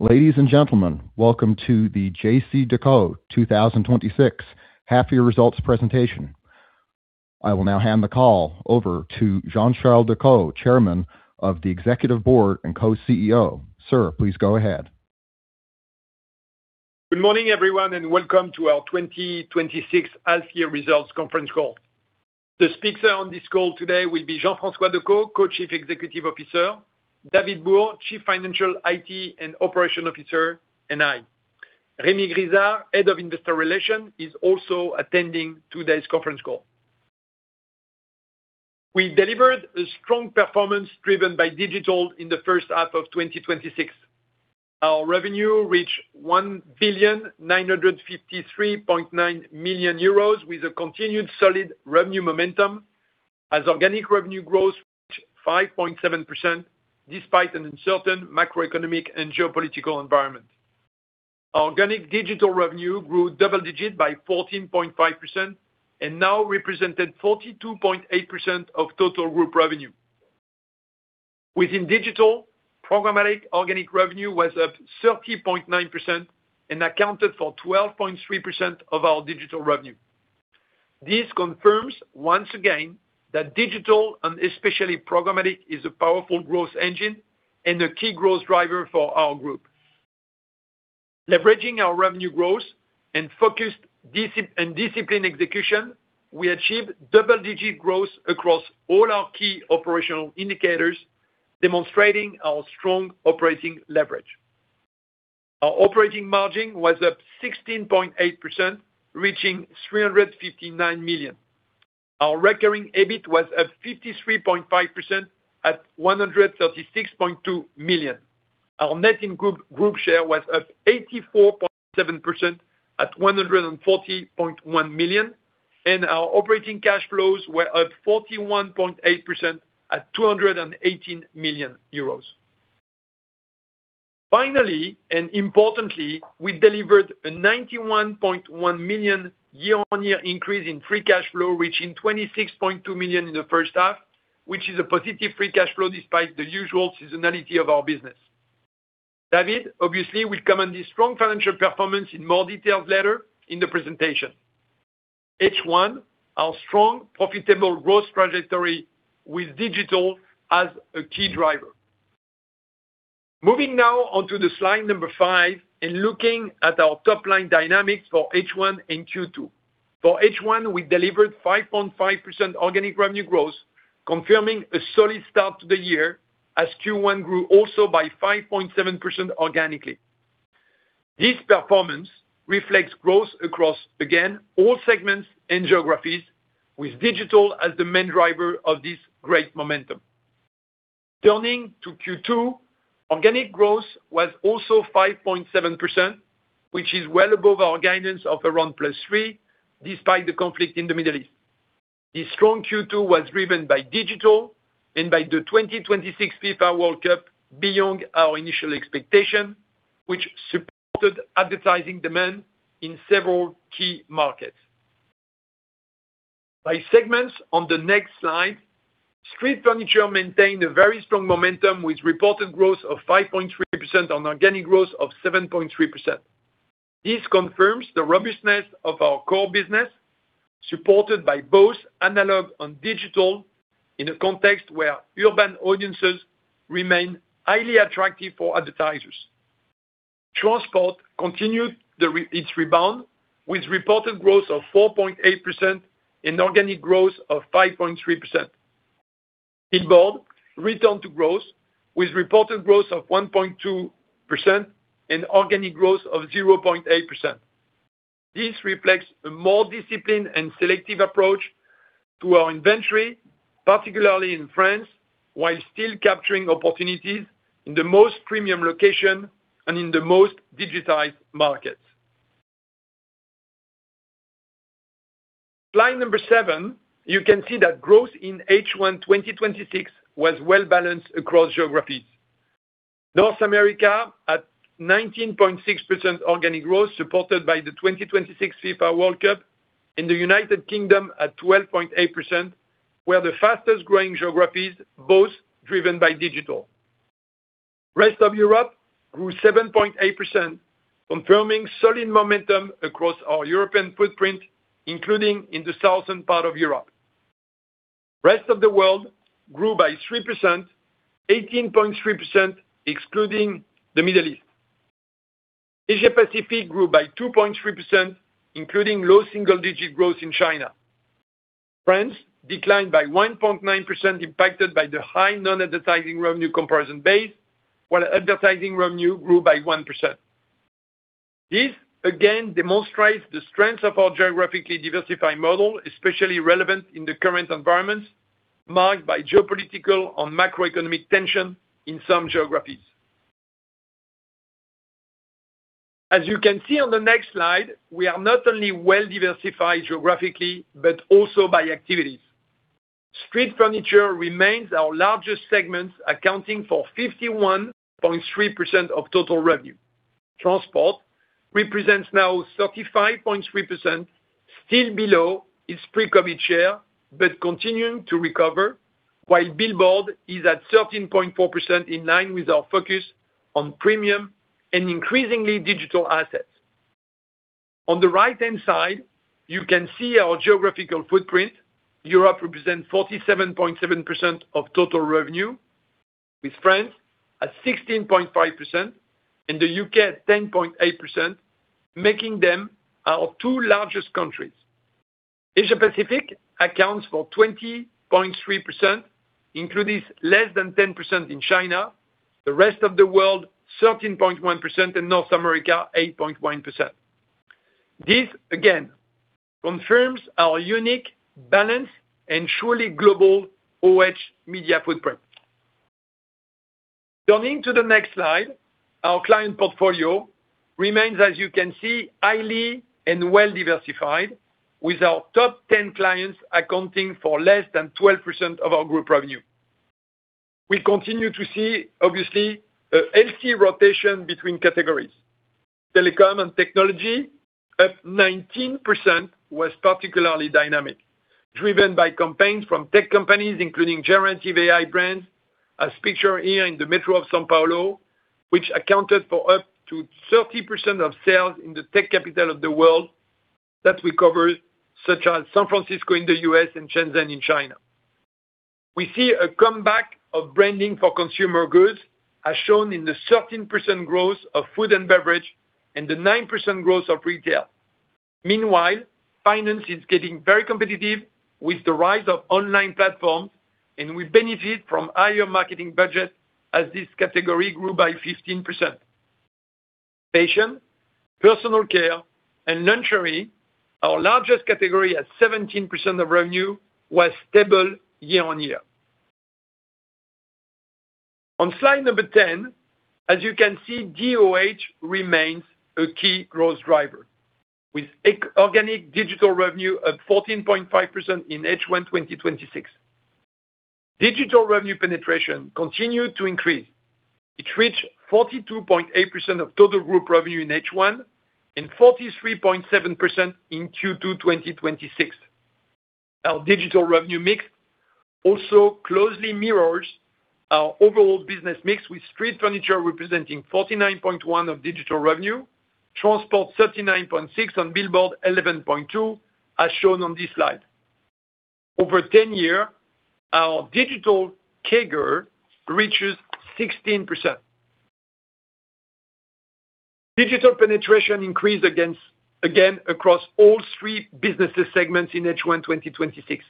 Ladies and gentlemen, welcome to the JCDecaux 2026 half-year results presentation. I will now hand the call over to Jean-Charles Decaux, Chairman of the Executive Board and Co-CEO. Sir, please go ahead. Good morning, everyone. Welcome to our 2026 half-year results conference call. The speakers on this ll today will be Jean-François Decaux, Co-Chief Executive Officer, David Bourg, Group Chief Financial, IT and Operations Officer, and I. Rémi Grisard, Head of Investor Relations, is also attending today's conference call. We delivered a strong performance driven by digital in the first half of 2026. Our revenue reached 1,953.9 million euros with a continued solid revenue momentum as organic revenue growth reached 5.7%, despite an uncertain macroeconomic and geopolitical environment. Organic digital revenue grew double-digit by 14.5% and now represented 42.8% of total group revenue. Within digital, programmatic organic revenue was up 30.9% and accounted for 12.3% of our digital revenue. This confirms once again that digital, especially programmatic, is a powerful growth engine and a key growth driver for our group. Leveraging our revenue growth and focused and disciplined execution, we achieved double-digit growth across all our key operational indicators, demonstrating our strong operating leverage. Our operating margin was up 16.8%, reaching 359 million. Our recurring EBIT was up 53.5% at 136.2 million. Our net in group share was up 84.7% at 140.1 million. Our operating cash flows were up 41.8% at 218 million euros. Finally, importantly, we delivered a 91.1 million year-on-year increase in free cash flow, reaching 26.2 million in the first half, which is a positive free cash flow despite the usual seasonality of our business. David obviously will comment on this strong financial performance in more details later in the presentation. H1, our strong profitable growth trajectory with digital as a key driver. Moving now onto the slide number five and looking at our top-line dynamics for H1 and Q2. For H1, we delivered 5.5% organic revenue growth, confirming a solid start to the year as Q1 grew also by 5.7% organically. This performance reflects growth across, again, all segments and geographies with digital as the main driver of this great momentum. Turning to Q2, organic growth was also 5.7%, which is well above our guidance of around +3% despite the conflict in the Middle East. The strong Q2 was driven by digital and by the 2026 FIFA World Cup beyond our initial expectation, which supported advertising demand in several key markets. By segments, on the next slide, Street Furniture maintained a very strong momentum with reported growth of 5.3% on organic growth of 7.3%. This confirms the robustness of our core business, supported by both analog and digital in a context where urban audiences remain highly attractive for advertisers. Transport continued its rebound with reported growth of 4.8% and organic growth of 5.3%. Billboards returned to growth with reported growth of 1.2% and organic growth of 0.8%. This reflects a more disciplined and selective approach to our inventory, particularly in France, while still capturing opportunities in the most premium location and in the most digitized markets. Slide number seven, you can see that growth in H1 2026 was well-balanced across geographies. North America at 19.6% organic growth supported by the 2026 FIFA World Cup in the United Kingdom at 12.8%, were the fastest growing geographies both driven by digital. Rest of Europe grew 7.8%, confirming solid momentum across our European footprint, including in the southern part of Europe. Rest of the world grew by 3%, 18.3% excluding the Middle East. Asia Pacific grew by 2.3%, including low single-digit growth in China. France declined by 1.9% impacted by the high non-advertising revenue comparison base, while advertising revenue grew by 1%. This again demonstrates the strength of our geographically diversified model, especially relevant in the current environment, marked by geopolitical and macroeconomic tension in some geographies. As you can see on the next slide, we are not only well-diversified geographically, but also by activities. Street furniture remains our largest segment, accounting for 51.3% of total revenue. Transport represents now 35.3%, still below its pre-COVID share, but continuing to recover, while billboard is at 13.4%, in line with our focus on premium and increasingly digital assets. On the right-hand side, you can see our geographical footprint. Europe represents 47.7% of total revenue, with France at 16.5% and the U.K. at 10.8%, making them our two largest countries. Asia Pacific accounts for 20.3%, including less than 10% in China, the rest of the world 13.1%, and North America 8.1%. This, again, confirms our unique balance and truly global OOH media footprint. Turning to the next slide, our client portfolio remains, as you can see, highly and well diversified with our top 10 clients accounting for less than 12% of our group revenue. We continue to see, obviously, a healthy rotation between categories. Telecom and technology, up 19%, was particularly dynamic, driven by campaigns from tech companies, including generative AI brands, as pictured here in the metro of São Paulo, which accounted for up to 30% of sales in the tech capital of the world that we cover, such as San Francisco in the U.S. and Shenzhen in China. We see a comeback of branding for consumer goods, as shown in the 13% growth of food and beverage and the 9% growth of retail. Meanwhile, finance is getting very competitive with the rise of online platforms, and we benefit from higher marketing budgets as this category grew by 15%. Patient personal care and luxury, our largest category at 17% of revenue, was stable year-on-year. On slide number 10, as you can see, DOOH remains a key growth driver with organic digital revenue up 14.5% in H1 2026. Digital revenue penetration continued to increase. It reached 42.8% of total group revenue in H1 and 43.7% in Q2 2026. Our digital revenue mix also closely mirrors our overall business mix, with street furniture representing 49.1% of digital revenue, transport 39.6%, and billboard 11.2%, as shown on this slide. Over 10 year, our digital CAGR reaches 16%. Digital penetration increased again across all three business segments in H1 2026.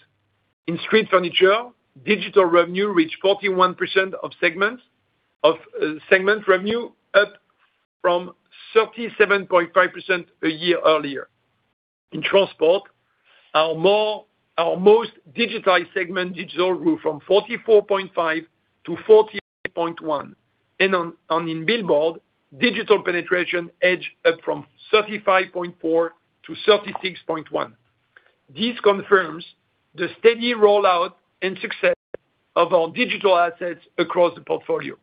In street furniture, digital revenue reached 41% of segment revenue, up from 37.5% a year earlier. In transport, our most digitized segment, digital grew from 44.5%-40.1%. In billboard, digital penetration edged up from 35.4%-36.1%. This confirms the steady rollout and success of our digital assets across the portfolio.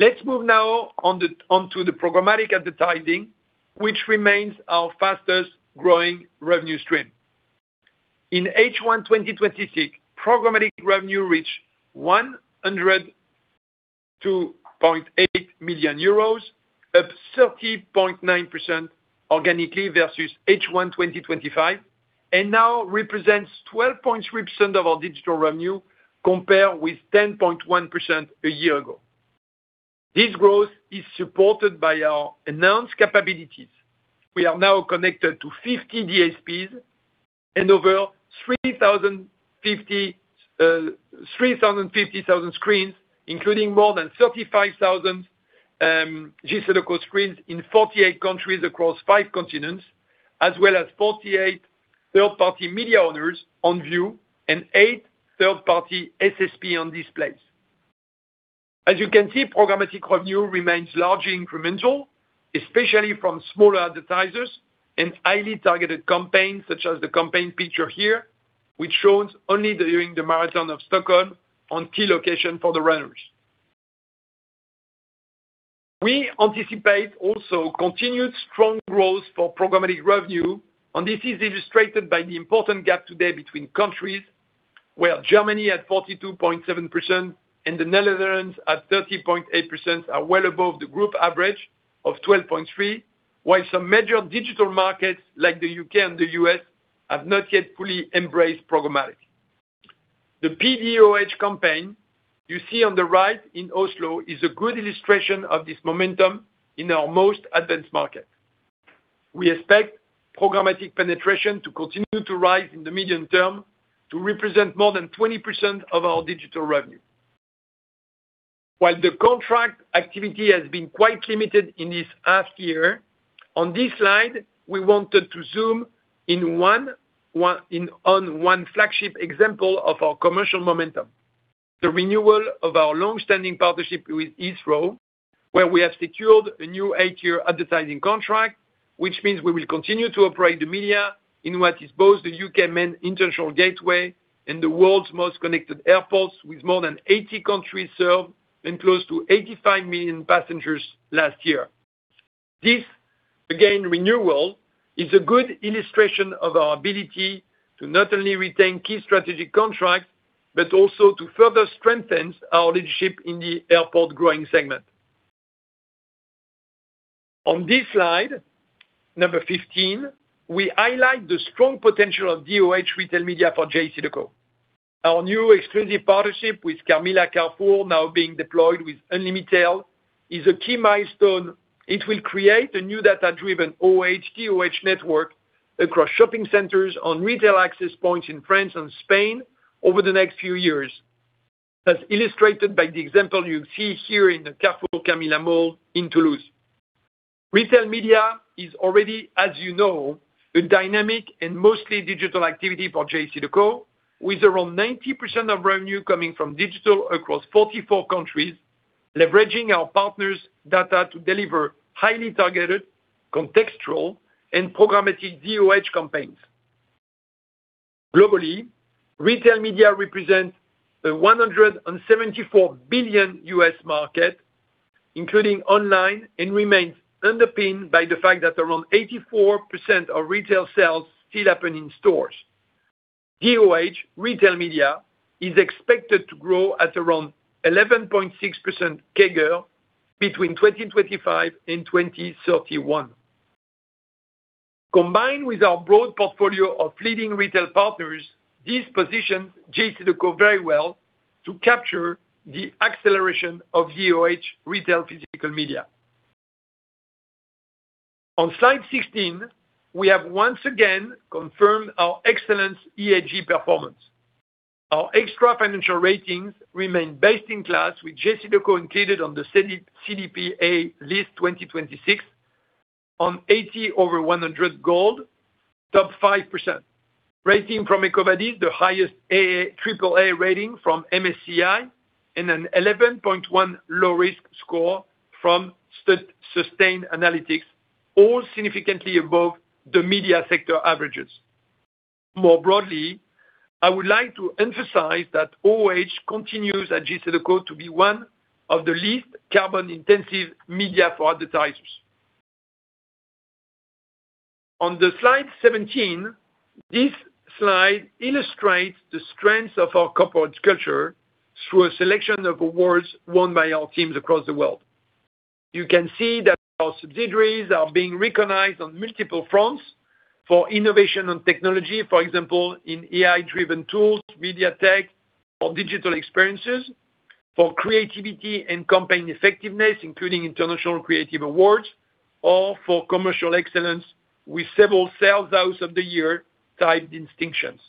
Let's move now onto the programmatic advertising, which remains our fastest growing revenue stream. In H1 2026, programmatic revenue reached 102.8 million euros, up 30.9% organically versus H1 2025, and now represents 12.3% of our digital revenue, compared with 10.1% a year ago. This growth is supported by our enhanced capabilities. We are now connected to 50 DSPs and over 3,050 screens, including more than 35,000 JCDecaux screens in 48 countries across five continents, as well as 48 third-party media owners on VIOOH and eight third-party SSP on Displayce. As you can see, programmatic revenue remains largely incremental, especially from smaller advertisers and highly targeted campaigns, such as the campaign pictured here, which shows only during the marathon of Stockholm on key location for the runners. We anticipate also continued strong growth for programmatic revenue, this is illustrated by the important gap today between countries where Germany, at 42.7%, and the Netherlands at 30.8%, are well above the group average of 12.3%, while some major digital markets like the U.K. and the U.S. have not yet fully embraced programmatic. The pDOOH campaign you see on the right in Oslo is a good illustration of this momentum in our most advanced market. We expect programmatic penetration to continue to rise in the medium term to represent more than 20% of our digital revenue. While the contract activity has been quite limited in this last year, on this slide, we wanted to zoom in on one flagship example of our commercial momentum, the renewal of our long-standing partnership with Heathrow, where we have secured a new eight-year advertising contract. Which means we will continue to operate the media in what is both the U.K. main international gateway and the world's most connected airports, with more than 80 countries served and close to 85 million passengers last year. This, again, renewal, is a good illustration of our ability to not only retain key strategic contracts, but also to further strengthen our leadership in the airport growing segment. On this slide, number 15, we highlight the strong potential of DOOH retail media for JCDecaux. Our new exclusive partnership with Carmila Carrefour now being deployed with Unlimitail is a key milestone. It will create a new data-driven OOH, DOOH network across shopping centers on retail access points in France and Spain over the next few years. As illustrated by the example you see here in the Carrefour Carmila mall in Toulouse. Retail media is already, as you know, a dynamic and mostly digital activity for JCDecaux, with around 90% of revenue coming from digital across 44 countries, leveraging our partners' data to deliver highly targeted, contextual, and programmatic DOOH campaigns. Globally, retail media represents a $174 billion market, including online, and remains underpinned by the fact that around 84% of retail sales still happen in stores. DOOH retail media is expected to grow at around 11.6% CAGR between 2025 and 2031. Combined with our broad portfolio of leading retail partners, this positions JCDecaux very well to capture the acceleration of DOOH retail physical media. On slide 16, we have once again confirmed our excellent ESG performance. Our extra financial ratings remain best in class with JCDecaux included on the CDP A List 2026 on 80 over 100 gold, top 5%. Rating from EcoVadis, the highest AAA rating from MSCI, and an 11.1 low risk score from Sustainalytics, all significantly above the media sector averages. More broadly, I would like to emphasize that OOH continues at JCDecaux to be one of the least carbon-intensive media for advertisers. On slide 17, this slide illustrates the strength of our corporate culture through a selection of awards won by our teams across the world. You can see that our subsidiaries are being recognized on multiple fronts for innovation and technology. For example, in AI-driven tools, media tech, or digital experiences, for creativity and campaign effectiveness, including international creative awards, or for commercial excellence with several sales house of the year type distinctions.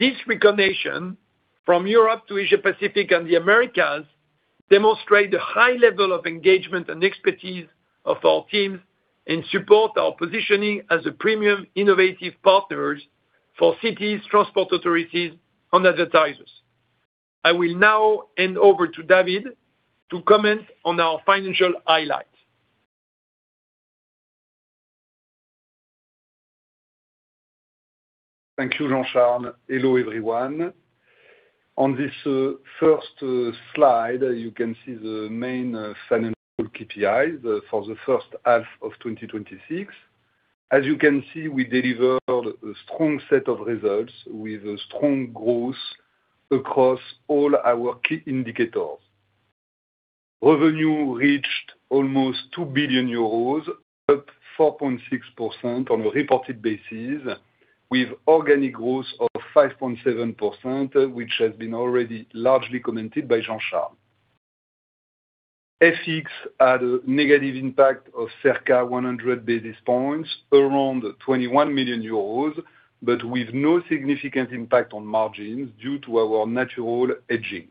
This recognition from Europe to Asia Pacific and the Americas demonstrate the high level of engagement and expertise of our teams and support our positioning as a premium innovative partners for cities, transport authorities, and advertisers. I will now hand over to David to comment on our financial highlights. Thank you, Jean-Charles. Hello, everyone. On this first slide, you can see the main financial KPI for the first half of 2026. As you can see, we delivered a strong set of results with a strong growth across all our key indicators. Revenue reached almost 2 billion euros, up 4.6% on a reported basis, with organic growth of 5.7%, which has been already largely commented by Jean-Charles. FX had a negative impact of circa 100 basis points around 21 million euros, but with no significant impact on margins due to our natural hedging.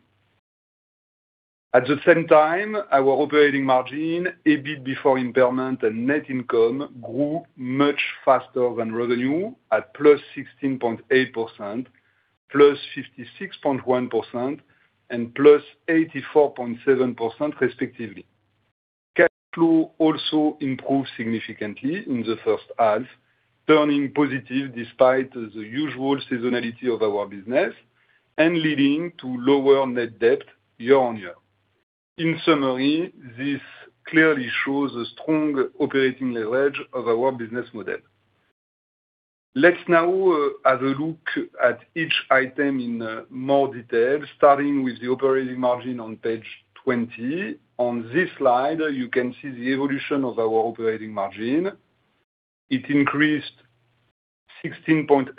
At the same time, our operating margin, EBIT before impairment and net income grew much faster than revenue at +16.8%, +56.1%, and +84.7% respectively. Cash flow also improved significantly in the first half, turning positive despite the usual seasonality of our business and leading to lower net debt year-on-year. In summary, this clearly shows a strong operating leverage of our business model. Let's now have a look at each item in more detail, starting with the operating margin on page 20. On this slide, you can see the evolution of our operating margin. It increased 16.8%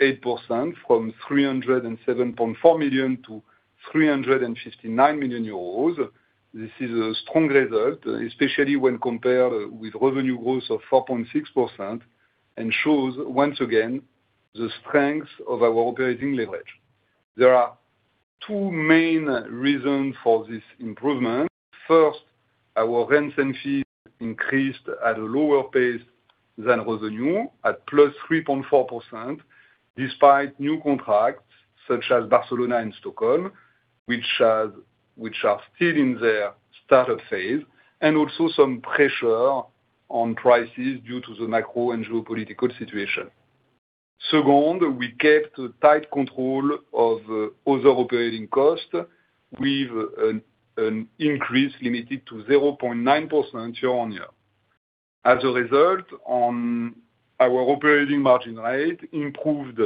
from 307.4 million-359 million euros. This is a strong result, especially when compared with revenue growth of 4.6% and shows once again the strength of our operating leverage. There are two main reasons for this improvement. First, our rents and fees increased at a lower pace than revenue at +3.4%, despite new contracts such as Barcelona and Stockholm which are still in their startup phase, and also some pressure on prices due to the macro and geopolitical situation. Second, we kept a tight control of other operating costs with an increase limited to 0.9% year-on-year. As a result, our operating margin rate improved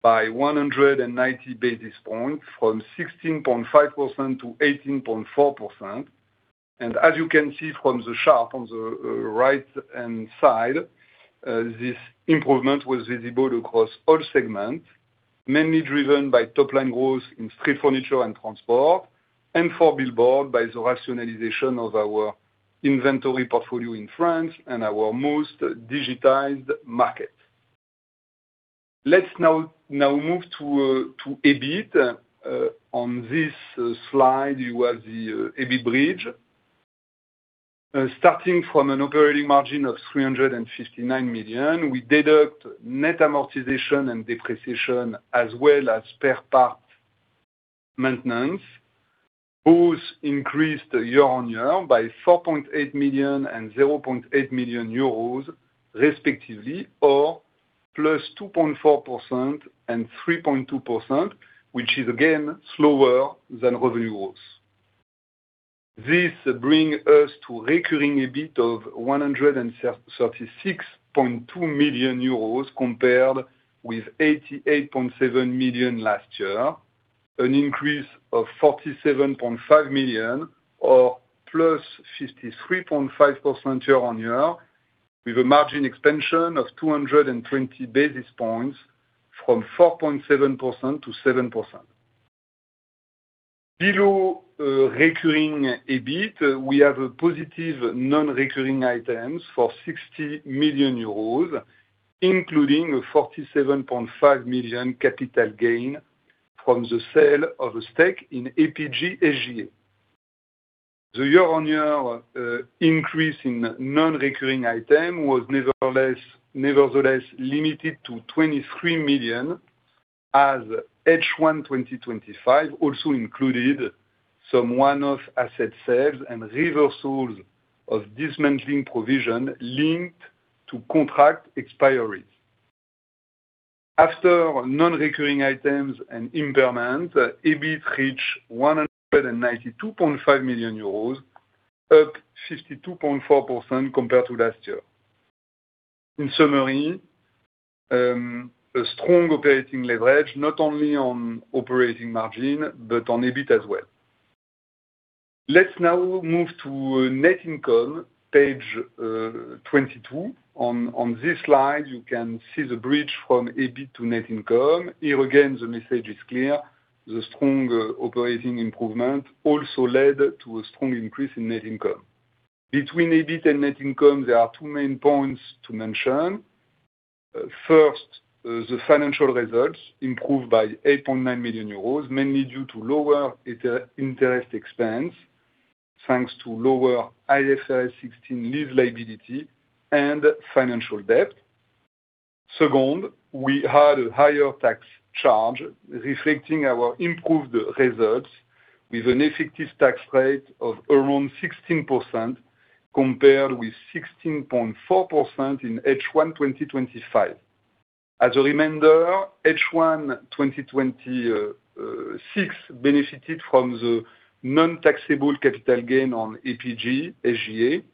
by 190 basis points from 16.5%-18.4%. As you can see from the chart on the right-hand side, this improvement was visible across all segments, mainly driven by top-line growth in street furniture and transport, and for billboard by the rationalization of our inventory portfolio in France and our most digitized market. Let's now move to EBIT. On this slide, you have the EBIT bridge. Starting from an operating margin of 359 million, we deduct net amortization and depreciation, as well as spare part maintenance, both increased year-on-year by 4.8 million and 0.8 million euros respectively, or +2.4% and 3.2%, which is again slower than revenue growth. This brings us to recurring EBIT of 136.2 million euros, compared with 88.7 million last year, an increase of 47.5 million or +53.5% year-on-year, with a margin expansion of 220 basis points from 4.7%-7%. Below recurring EBIT, we have positive non-recurring items for 60 million euros, including a 47.5 million capital gain from the sale of a stake in APG|SGA. The year-on-year increase in non-recurring item was nevertheless limited to 23 million, as H1 2025 also included some one-off asset sales and reversals of dismantling provision linked to contract expiry. After non-recurring items and impairment, EBIT reached 192.5 million euros, up 52.4% compared to last year. In summary, a strong operating leverage not only on operating margin, but on EBIT as well. Let's now move to net income, page 22. On this slide, you can see the bridge from EBIT to net income. Here again, the message is clear. The strong operating improvement also led to a strong increase in net income. Between EBIT and net income, there are two main points to mention. First, the financial results improved by 8.9 million euros, mainly due to lower interest expense, thanks to lower IFRS 16 lease liability and financial debt. Second, we had a higher tax charge reflecting our improved results with an effective tax rate of around 16% compared with 16.4% in H1 2025. As a reminder, H1 2026 benefited from the non-taxable capital gain on APG|SGA.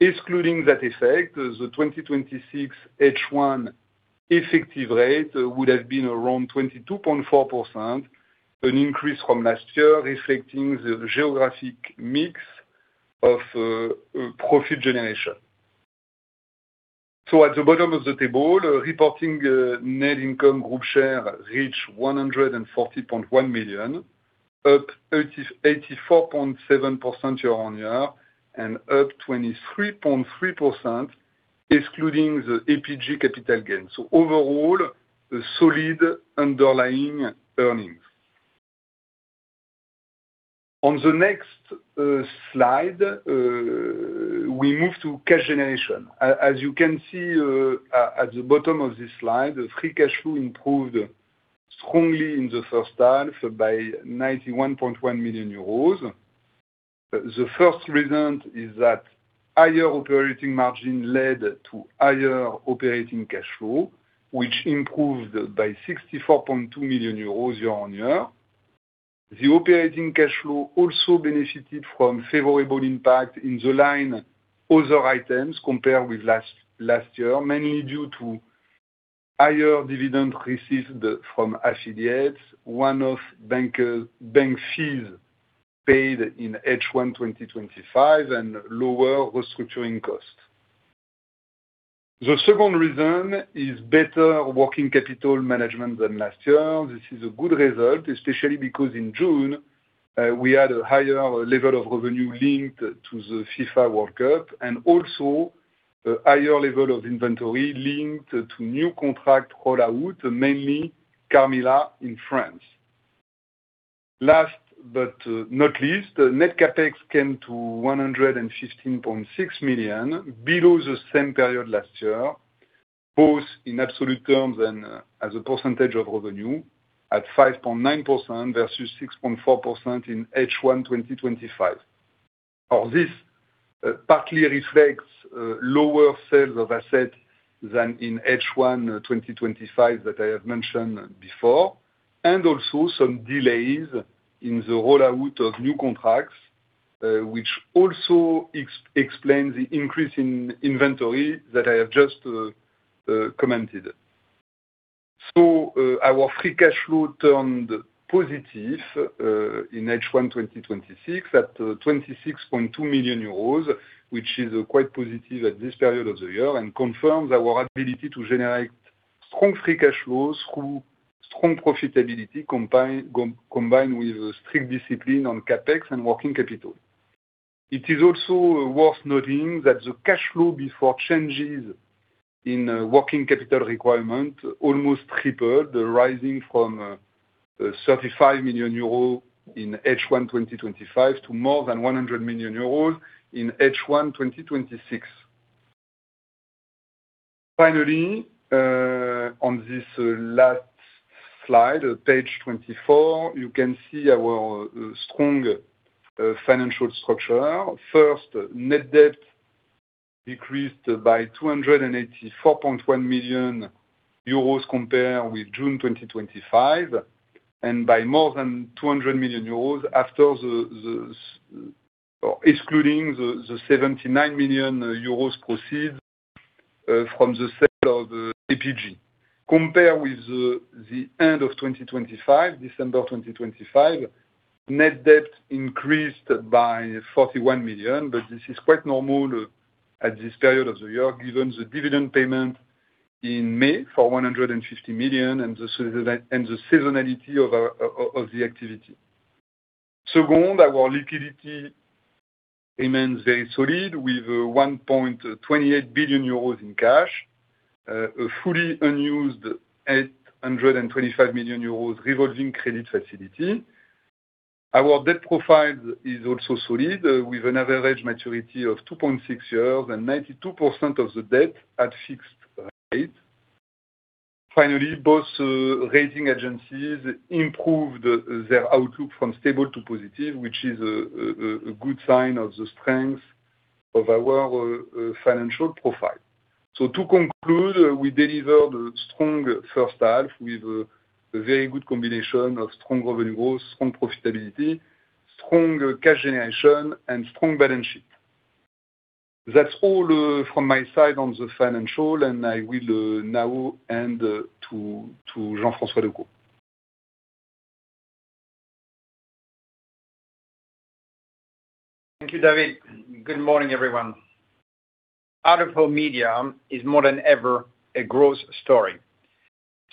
Excluding that effect, the 2026 H1 effective rate would have been around 22.4%, an increase from last year, reflecting the geographic mix of profit generation. At the bottom of the table, reporting net income group share reached 140.1 million, up 84.7% year-on-year and up 23.3% excluding the APG capital gain. Overall, solid underlying earnings. On the next slide, we move to cash generation. As you can see at the bottom of this slide, free cash flow improved strongly in the first half by 91.1 million euros. The first reason is that higher operating margin led to higher operating cash flow, which improved by 64.2 million euros year-on-year. The operating cash flow also benefited from favorable impact in the line other items compared with last year, mainly due to higher dividend received from [HCDs], one-off bank fees paid in H1 2025, and lower restructuring costs. The second reason is better working capital management than last year. This is a good result, especially because in June, we had a higher level of revenue linked to the FIFA World Cup and also a higher level of inventory linked to new contract roll-out, mainly Carmila in France. Last but not least, net CapEx came to 116.6 million below the same period last year. Both in absolute terms and as a percentage of revenue at 5.9% versus 6.4% in H1 2025. This partly reflects lower sales of assets than in H1 2025 that I have mentioned before, and also some delays in the rollout of new contracts, which also explains the increase in inventory that I have just commented. Our free cash flow turned positive in H1 2026 at 26.2 million euros, which is quite positive at this period of the year and confirms our ability to generate strong free cash flows through strong profitability, combined with strict discipline on CapEx and working capital. It is also worth noting that the cash flow before changes in working capital requirement almost tripled, rising from 35 million euros in H1 2025 to more than 100 million euros in H1 2026. On this last slide, page 24, you can see our strong financial structure. Net debt decreased by 284.1 million euros compared with June 2025 and by more than 200 million euros after excluding the 79 million euros proceed from the sale of APG|SGA. Compared with the end of 2025, December 2025, net debt increased by 41 million, this is quite normal at this period of the year, given the dividend payment in May for 150 million and the seasonality of the activity. Our liquidity remains very solid, with 1.28 billion euros in cash, a fully unused 825 million euros revolving credit facility. Our debt profile is also solid, with an average maturity of 2.6 years and 92% of the debt at fixed rate. Both rating agencies improved their outlook from stable to positive, which is a good sign of the strength of our financial profile. To conclude, we delivered strong first half with a very good combination of strong revenue growth, strong profitability, strong cash generation, and strong balance sheet. That's all from my side on the financial, and I will now hand to Jean-François Decaux. Thank you, David. Good morning, everyone. Out-of-home media is more than ever a growth story,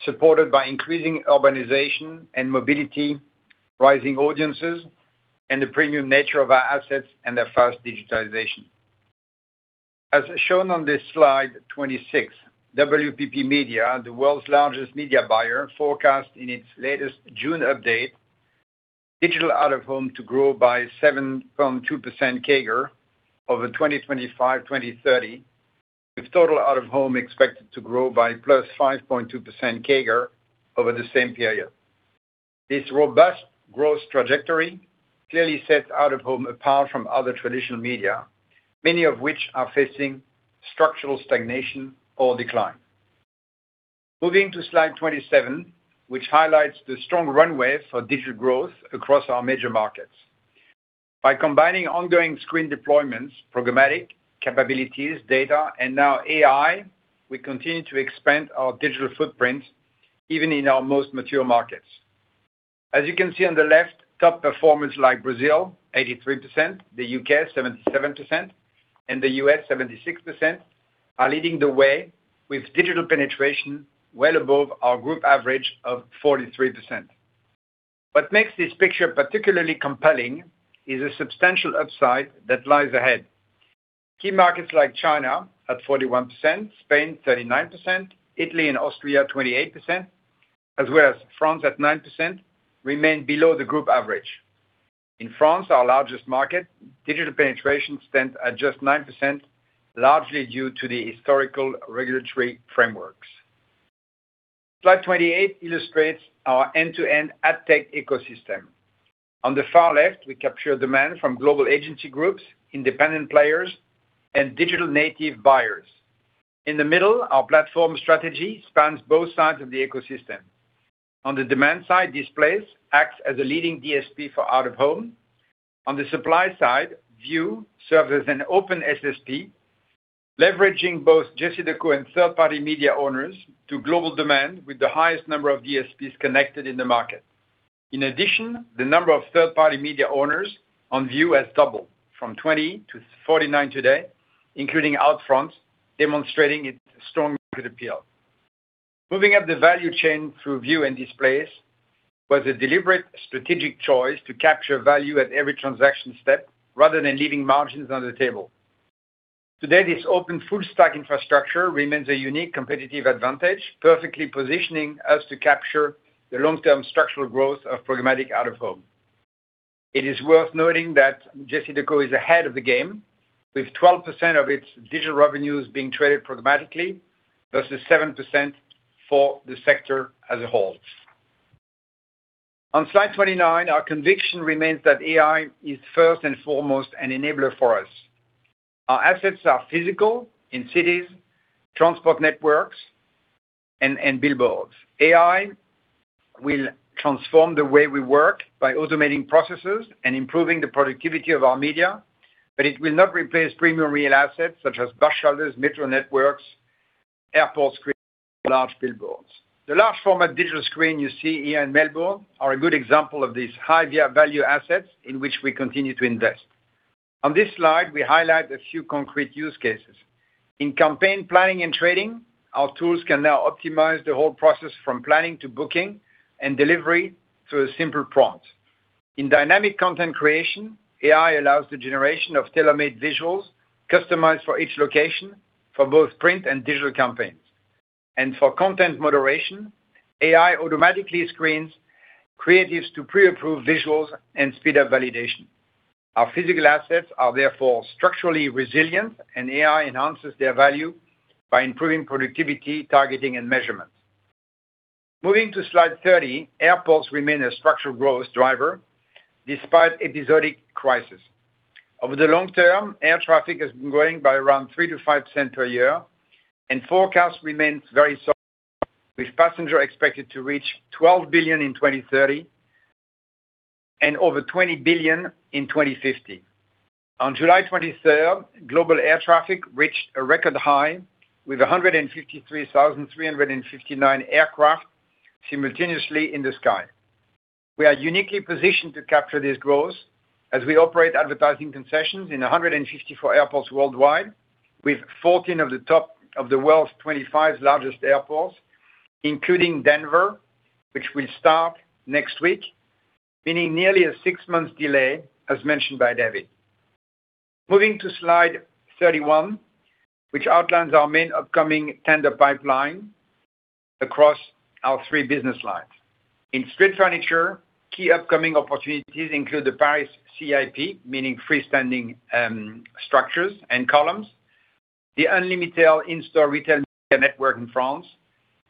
supported by increasing urbanization and mobility, rising audiences, and the premium nature of our assets and their fast digitization. As shown on this slide 26, WPP Media, the world's largest media buyer, forecast in its latest June update, digital out-of-home to grow by 7.2% CAGR over 2025-2030, with total out-of-home expected to grow by +5.2% CAGR over the same period. This robust growth trajectory clearly sets out-of-home apart from other traditional media, many of which are facing structural stagnation or decline. Moving to slide 27, which highlights the strong runway for digital growth across our major markets. By combining ongoing screen deployments, programmatic capabilities, data, and now AI, we continue to expand our digital footprint even in our most mature markets. As you can see on the left, top performers like Brazil, 83%, the U.K., 77%, and the U.S., 76%, are leading the way with digital penetration well above our group average of 43%. What makes this picture particularly compelling is a substantial upside that lies ahead. Key markets like China at 41%, Spain 39%, Italy and Austria 28%, as well as France at 9%, remain below the group average. In France, our largest market, digital penetration stands at just 9%, largely due to the historical regulatory frameworks. Slide 28 illustrates our end-to-end AdTech ecosystem. On the far left, we capture demand from global agency groups, independent players, and digital native buyers. In the middle, our platform strategy spans both sides of the ecosystem. On the demand side, Displayce act as a leading DSP for out-of-home. On the supply side, VIOOH serves as an open SSP, leveraging both JCDecaux and third-party media owners to global demand with the highest number of DSPs connected in the market. In addition, the number of third-party media owners on VIOOH has doubled from 20 to 49 today, including OUTFRONT, demonstrating its strong market appeal. Moving up the value chain through VIOOH and Displayce was a deliberate strategic choice to capture value at every transaction step rather than leaving margins on the table. Today, this open full stack infrastructure remains a unique competitive advantage, perfectly positioning us to capture the long-term structural growth of programmatic out-of-home. It is worth noting that JCDecaux is ahead of the game, with 12% of its digital revenues being traded programmatically, versus 7% for the sector as a whole. On slide 29, our conviction remains that AI is first and foremost an enabler for us. Our assets are physical, in cities, transport networks, and billboards. AI will transform the way we work by automating processes and improving the productivity of our media, but it will not replace premium real assets such as bus shelters, metro networks, airport screens, or large billboards. The large format digital screen you see here in Melbourne are a good example of these high value assets in which we continue to invest. On this slide, we highlight a few concrete use cases. In campaign planning and trading, our tools can now optimize the whole process from planning to booking and delivery through a simple prompt. In dynamic content creation, AI allows the generation of tailor-made visuals customized for each location for both print and digital campaigns. For content moderation, AI automatically screens creatives to pre-approve visuals and speed up validation. Our physical assets are therefore structurally resilient, AI enhances their value by improving productivity, targeting, and measurements. Moving to slide 30, airports remain a structural growth driver despite episodic crisis. Over the long term, air traffic has been growing by around 3%-5% per year, and forecast remains very solid, with passenger expected to reach 12 billion in 2030 and over 20 billion in 2050. On July 23rd, global air traffic reached a record high with 153,359 aircraft simultaneously in the sky. We are uniquely positioned to capture this growth as we operate advertising concessions in 154 airports worldwide, with 14 of the world's 25 largest airports, including Denver, which will start next week, meaning nearly a six-month delay as mentioned by David. Moving to slide 31, which outlines our main upcoming tender pipeline across our three business lines. In street furniture, key upcoming opportunities include the Paris CIP, meaning freestanding structures and columns, the Unlimitail in-store retail media network in France,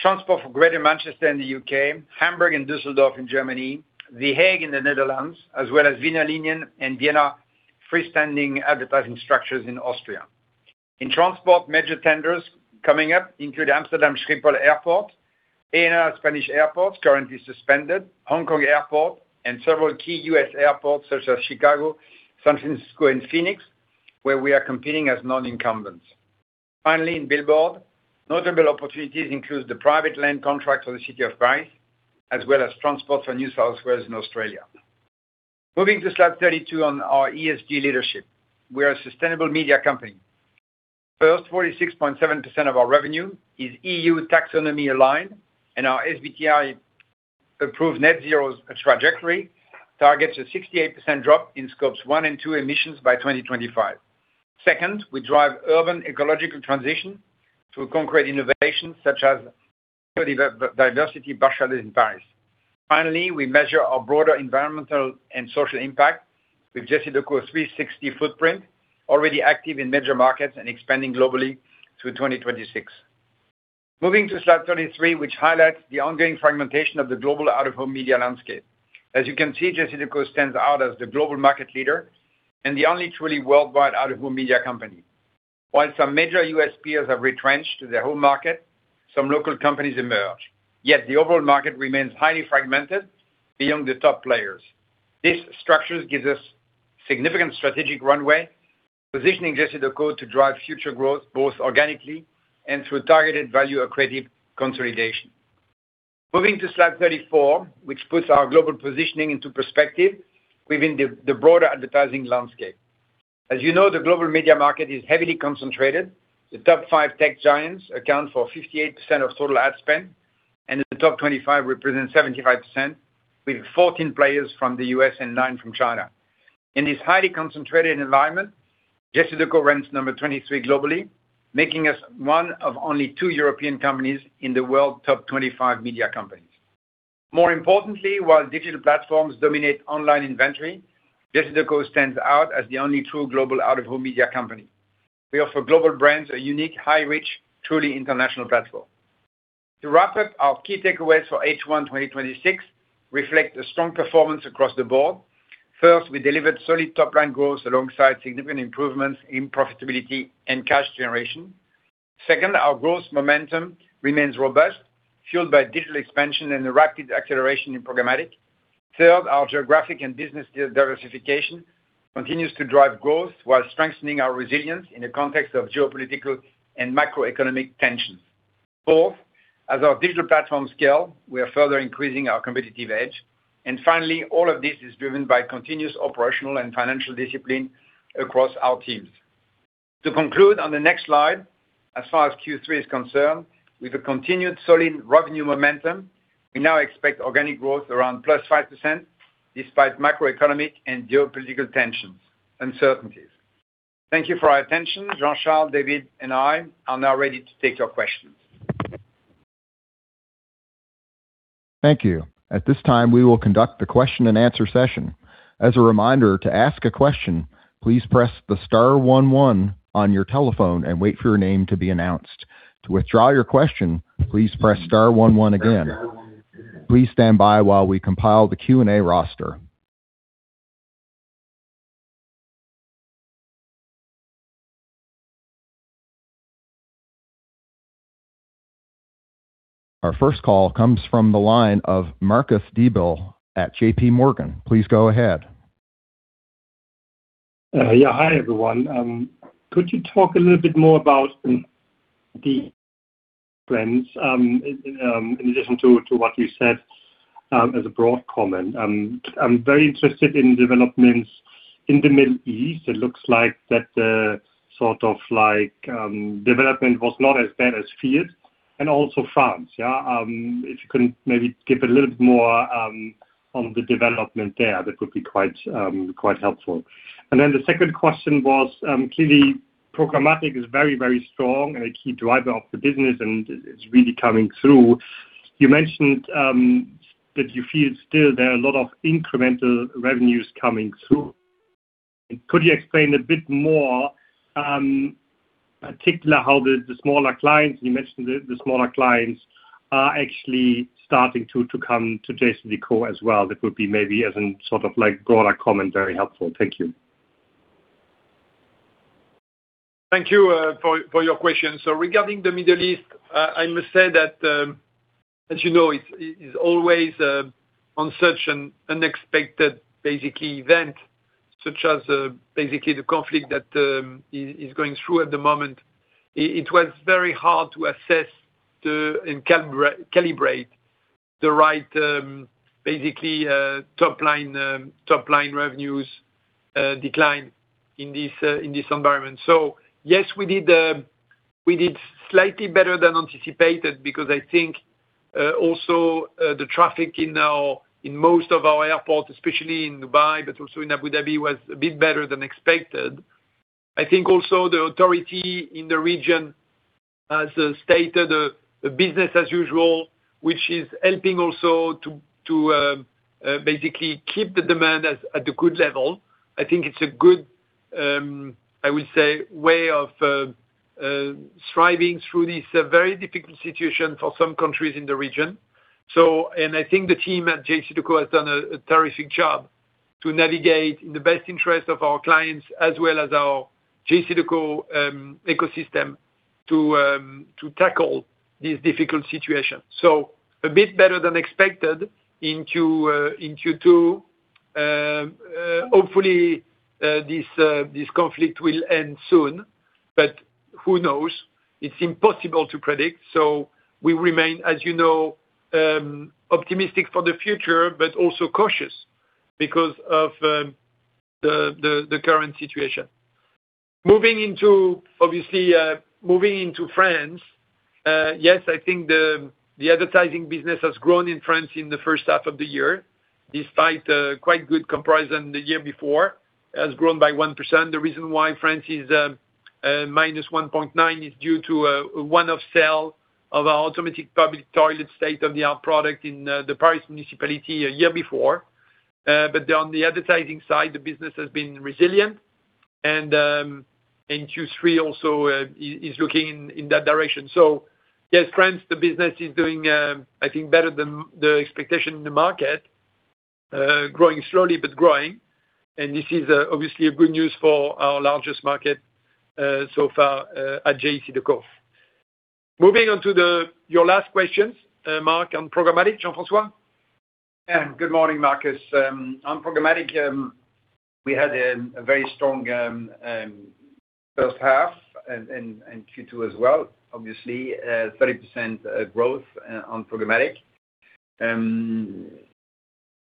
Transport for Greater Manchester in the U.K., Hamburg and Düsseldorf in Germany, The Hague in the Netherlands, as well as Wiener Linien and Vienna freestanding advertising structures in Austria. In transport, major tenders coming up include Amsterdam Schiphol Airport, Aena Spanish airports, currently suspended, Hong Kong Airport and several key U.S. airports such as Chicago, San Francisco, and Phoenix, where we are competing as non-incumbents. Finally, in billboard, notable opportunities include the private land contract for the city of Paris, as well as Transport for New South Wales and Australia. Moving to slide 32 on our ESG leadership. We are a sustainable media company. First, 46.7% of our revenue is EU Taxonomy aligned, and our SBTi approved net zero trajectory targets a 68% drop in scopes one and two emissions by 2025. Second, we drive urban ecological transition through concrete innovations such as biodiversity bus shelters in Paris. Finally, we measure our broader environmental and social impact with JCDecaux 360 Footprint, already active in major markets and expanding globally through 2026. Moving to slide 33, which highlights the ongoing fragmentation of the global out-of-home media landscape. As you can see, JCDecaux stands out as the global market leader and the only truly worldwide out-of-home media company. While some major U.S. peers have retrenched to their home market, some local companies emerge. Yet the overall market remains highly fragmented beyond the top players. This structure gives us significant strategic runway, positioning JCDecaux to drive future growth, both organically and through targeted value accretive consolidation. Moving to slide 34, which puts our global positioning into perspective within the broader advertising landscape. As you know, the global media market is heavily concentrated. The top five tech giants account for 58% of total ad spend, and the top 25 represent 75%, with 14 players from the U.S. and nine from China. In this highly concentrated environment, JCDecaux ranks number 23 globally, making us one of only two European companies in the world top 25 media companies. More importantly, while digital platforms dominate online inventory, JCDecaux stands out as the only true global out-of-home media company. We offer global brands a unique, high reach, truly international platform. To wrap up our key takeaways for H1 2026 reflect a strong performance across the board. First, we delivered solid top-line growth alongside significant improvements in profitability and cash generation. Second, our growth momentum remains robust, fueled by digital expansion and a rapid acceleration in programmatic. Third, our geographic and business diversification continues to drive growth while strengthening our resilience in the context of geopolitical and macroeconomic tensions. Fourth, as our digital platforms scale, we are further increasing our competitive edge. Finally, all of this is driven by continuous operational and financial discipline across our teams. To conclude on the next slide, as far as Q3 is concerned, with a continued solid revenue momentum, we now expect organic growth around +5% despite macroeconomic and geopolitical tensions uncertainties. Thank you for our attention. Jean-Charles, David, and I are now ready to take your questions. Thank you. At this time, we will conduct the question and answer session. As a reminder, to ask a question, please press the star one one on your telephone and wait for your name to be announced. To withdraw your question, please press star one one again. Please stand by while we compile the Q&A roster. Our first call comes from the line of Marcus Diebel at JPMorgan. Please go ahead. Hi, everyone. Could you talk a little bit more about the plans, in addition to what you said, as a broad comment? I am very interested in developments in the Middle East. It looks like that development was not as bad as feared, and also France. If you could maybe give a little bit more on the development there, that would be quite helpful. The second question was, clearly programmatic is very, very strong and a key driver of the business, and it is really coming through. You mentioned that you feel still there are a lot of incremental revenues coming through. Could you explain a bit more, particular how the smaller clients, you mentioned the smaller clients are actually starting to come to JCDecaux as well? That would be maybe as a broader comment, very helpful. Thank you. Thank you for your question. Regarding the Middle East, I must say that, as you know, it is always on such an unexpected event, such as the conflict that is going through at the moment. It was very hard to assess and calibrate the right top-line revenues decline in this environment. Yes, we did slightly better than anticipated because I think also the traffic in most of our airports, especially in Dubai, but also in Abu Dhabi, was a bit better than expected. I think also the authority in the region has stated business as usual, which is helping also to basically keep the demand at a good level. I think it is a good, I would say, way of striving through this very difficult situation for some countries in the region. I think the team at JCDecaux has done a terrific job to navigate in the best interest of our clients as well as our JCDecaux ecosystem to tackle these difficult situations. A bit better than expected in Q2. Hopefully, this conflict will end soon, but who knows? It is impossible to predict. We remain, as you know, optimistic for the future, but also cautious because of the current situation. Obviously, moving into France, yes, I think the advertising business has grown in France in the first half of the year, despite a quite good comparison the year before. Has grown by 1%. The reason why France is -1.9% is due to a one-off sale of our automatic public toilet state-of-the-art product in the Paris municipality a year before. On the advertising side, the business has been resilient, and Q3 also is looking in that direction. Yes, France, the business is doing, I think, better than the expectation in the market. Growing slowly, but growing, and this is obviously good news for our largest market so far at JCDecaux. Moving on to your last questions, Marcus, on programmatic. Jean-François? Good morning, Marcus. On programmatic, we had a very strong first half and Q2 as well, obviously, 30% growth on programmatic.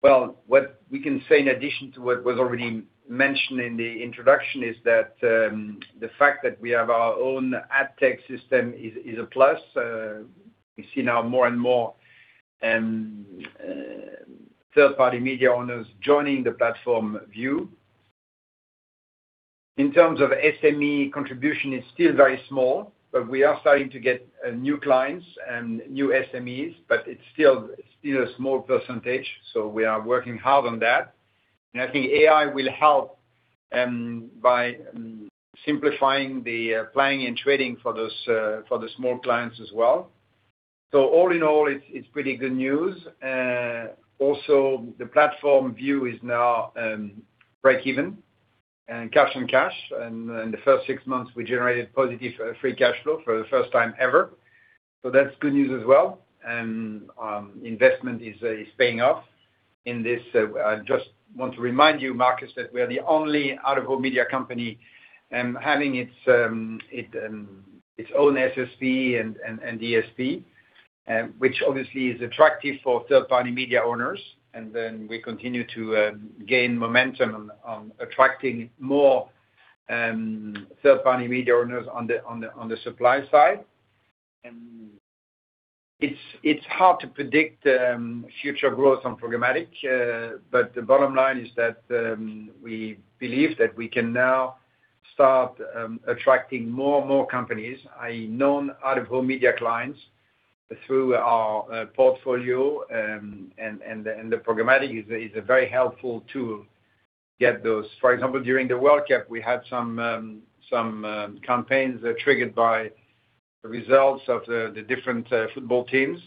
What we can say in addition to what was already mentioned in the introduction is that the fact that we have our own ad tech system is a plus. We see now more and more third-party media owners joining the platform VIOOH. In terms of SME contribution, it's still very small, but we are starting to get new clients and new SMEs, but it's still a small percentage. We are working hard on that. I think AI will help by simplifying the planning and trading for the small clients as well. All in all, it's pretty good news. The platform VIOOH is now breakeven and cash on cash. In the first six months, we generated positive free cash flow for the first time ever. That's good news as well. Investment is paying off in this. I just want to remind you, Marcus, that we are the only out-of-home media company having its own SSP and DSP, which obviously is attractive for third-party media owners. We continue to gain momentum on attracting more third-party media owners on the supply side. It's hard to predict future growth on programmatic, but the bottom line is that we believe that we can now start attracting more and more companies, known out-of-home media clients through our portfolio, and the programmatic is a very helpful tool to get those. For example, during the World Cup, we had some campaigns that were triggered by the results of the different football teams,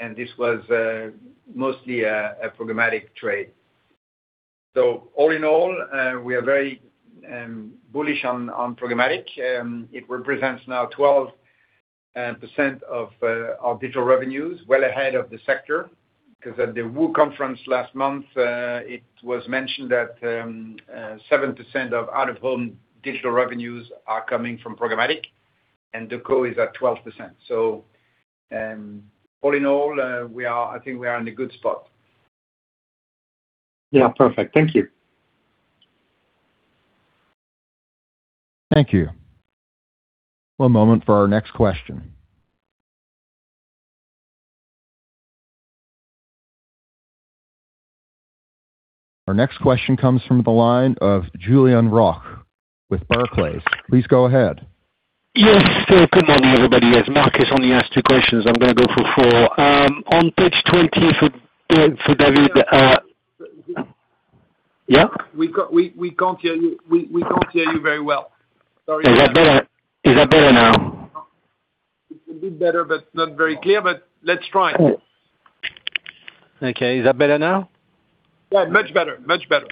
and this was mostly a programmatic trade. All in all, we are very bullish on programmatic. It represents now 12% of our digital revenues, well ahead of the sector. Because at the WOO Conference last month, it was mentioned that 7% of out-of-home digital revenues are coming from programmatic, and JCDecaux is at 12%. All in all, I think we are in a good spot. Yeah, perfect. Thank you. Thank you. One moment for our next question. Our next question comes from the line of Julien Roch with Barclays. Please go ahead. Yes. Good morning, everybody. As Marcus only asked two questions, I'm going to go for four. On page 20 for David. Yeah? We can't hear you very well. Sorry. Is that better now? It's a bit better, but not very clear, but let's try. Okay. Is that better now? Yeah, much better.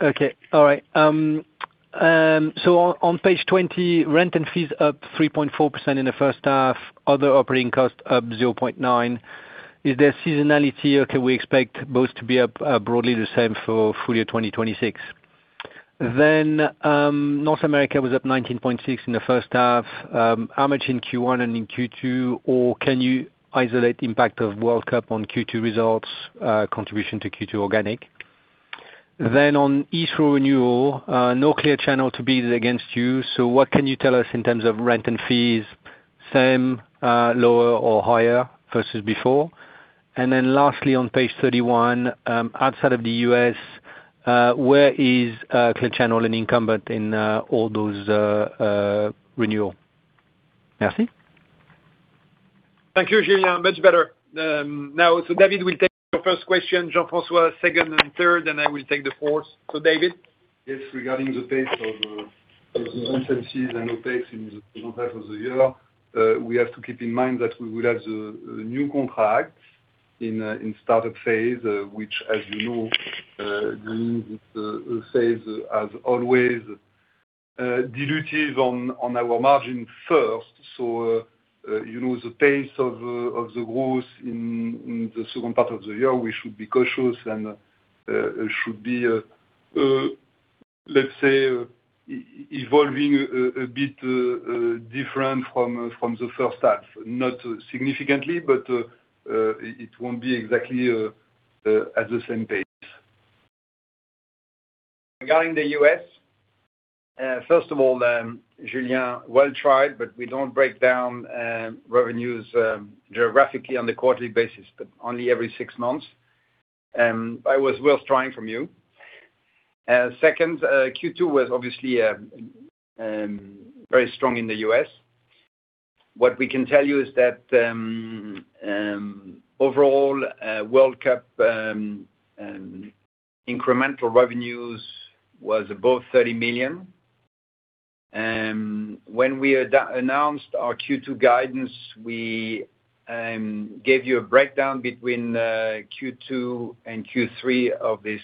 Okay. All right. On page 20, rent and fees up 3.4% in the first half, other operating costs up 0.9%. Is there seasonality or can we expect both to be up broadly the same for full year 2026? North America was up 19.6% in the first half. How much in Q1 and in Q2, or can you isolate impact of FIFA World Cup on Q2 results, contribution to Q2 organic? On Heathrow renewal, no Clear Channel Outdoor to bid against you. What can you tell us in terms of rent and fees, same, lower or higher versus before? Lastly, on page 31, outside of the U.S., where is Clear Channel Outdoor an incumbent in all those renewal? Merci. Thank you, Julien. Much better. David will take your first question, Jean-François, second and third, and I will take the fourth. David? Yes, regarding the pace of the agencies and OpEx in the second half of the year, we have to keep in mind that we will have the new contract in startup phase, which as you know, this phase has always diluted on our margin first. The pace of the growth in the second part of the year, we should be cautious and should be, let's say, evolving a bit different from the first half. Not significantly, but it won't be exactly at the same pace. Regarding the U.S., first of all, Julien, well tried, but we don't break down revenues geographically on the quarterly basis, but only every six months. It was worth trying from you. Second, Q2 was obviously very strong in the U.S. What we can tell you is that, overall, FIFA World Cup incremental revenues was above 30 million. When we announced our Q2 guidance, we gave you a breakdown between Q2 and Q3 of this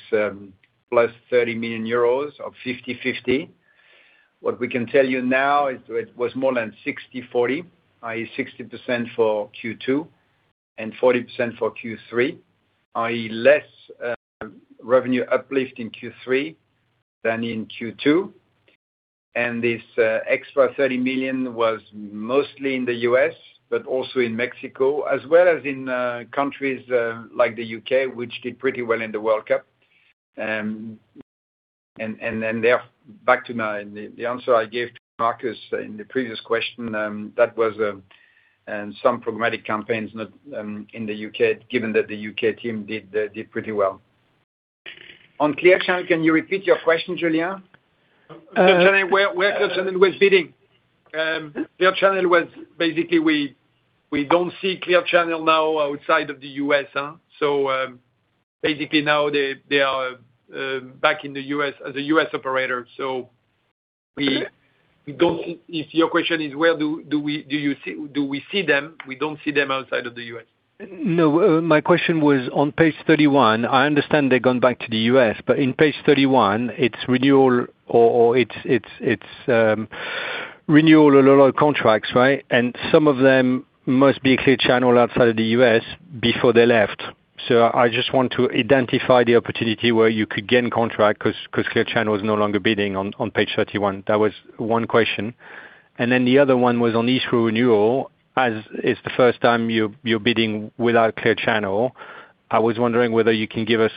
plus 30 million euros of 50/50. What we can tell you now is it was more than 60/40, i.e., 60% for Q2 and 40% for Q3, i.e., less revenue uplift in Q3 than in Q2. This extra 30 million was mostly in the U.S., but also in Mexico, as well as in countries like the U.K., which did pretty well in the FIFA World Cup. Back to the answer I gave to Marcus in the previous question, that was some programmatic campaigns, not in the U.K., given that the U.K. team did pretty well. On Clear Channel, can you repeat your question, Julien? Where Clear Channel was bidding. Clear Channel was basically we don't see Clear Channel now outside of the U.S. Basically now they are back in the U.S. as a U.S. operator. If your question is do we see them, we don't see them outside of the U.S. No, my question was on page 31. I understand they've gone back to the U.S., on page 31, it's renewal or it's renewal of contracts, right? Some of them must be Clear Channel outside of the U.S. before they left. I just want to identify the opportunity where you could gain contract because Clear Channel is no longer bidding on page 31. That was one question. The other one was on Heathrow renewal, as is the first time you're bidding without Clear Channel. I was wondering whether you can give us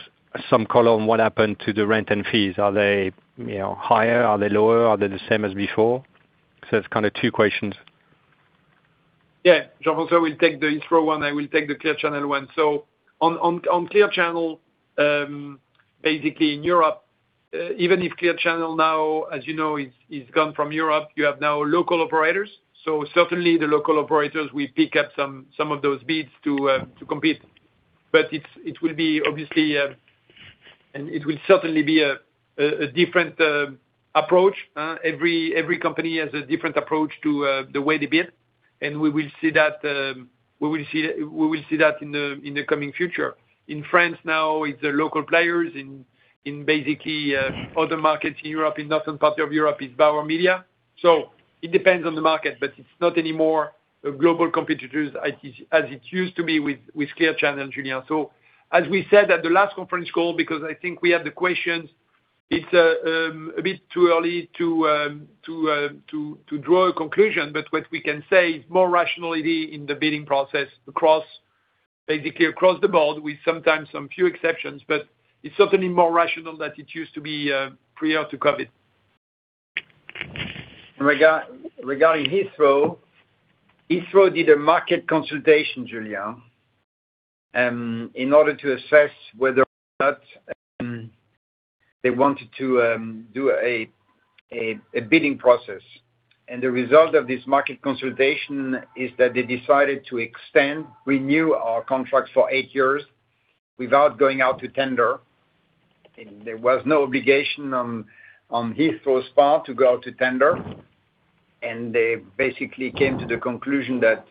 some color on what happened to the rent and fees. Are they higher? Are they lower? Are they the same as before? It's kind of two questions. Yeah. Jean-François will take the Heathrow one, I will take the Clear Channel one. On Clear Channel, basically in Europe, even if Clear Channel now, as you know, is gone from Europe, you have now local operators. Certainly the local operators will pick up some of those bids to compete. It will certainly be a different approach. Every company has a different approach to the way they bid, and we will see that in the coming future. In France now it's the local players. In basically other markets in Europe, in northern part of Europe, it's Bauer Media. It depends on the market, but it's not any more global competitors as it used to be with Clear Channel, Julien. As we said at the last conference call, because I think we had the questions, it's a bit too early to draw a conclusion, but what we can say, it's more rationality in the bidding process basically across the board with sometimes some few exceptions, but it's certainly more rational than it used to be prior to COVID. Regarding Heathrow did a market consultation, Julien, in order to assess whether or not they wanted to do a bidding process. The result of this market consultation is that they decided to extend, renew our contract for eight years without going out to tender. There was no obligation on Heathrow's part to go out to tender, and they basically came to the conclusion that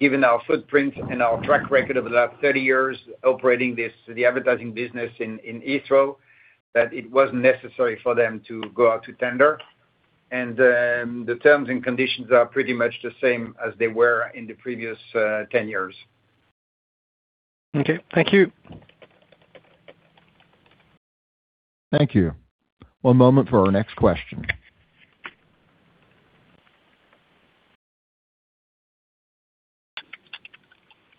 given our footprint and our track record over the last 30 years operating the advertising business in Heathrow, that it wasn't necessary for them to go out to tender. The terms and conditions are pretty much the same as they were in the previous 10 years. Okay. Thank you. Thank you. One moment for our next question.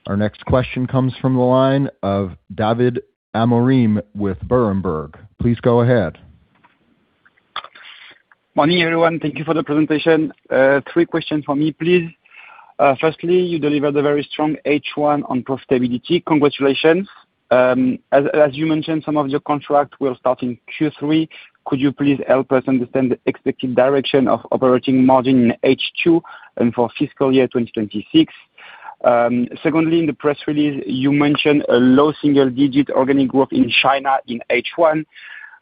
Our next question comes from the line of Davide Amorim with Berenberg. Please go ahead. Morning, everyone. Thank you for the presentation. Three questions from me, please. Firstly, you delivered a very strong H1 on profitability. Congratulations. As you mentioned, some of your contracts will start in Q3. Could you please help us understand the expected direction of operating margin in H2 and for fiscal year 2026? Secondly, in the press release you mentioned a low single-digit organic growth in China in H1.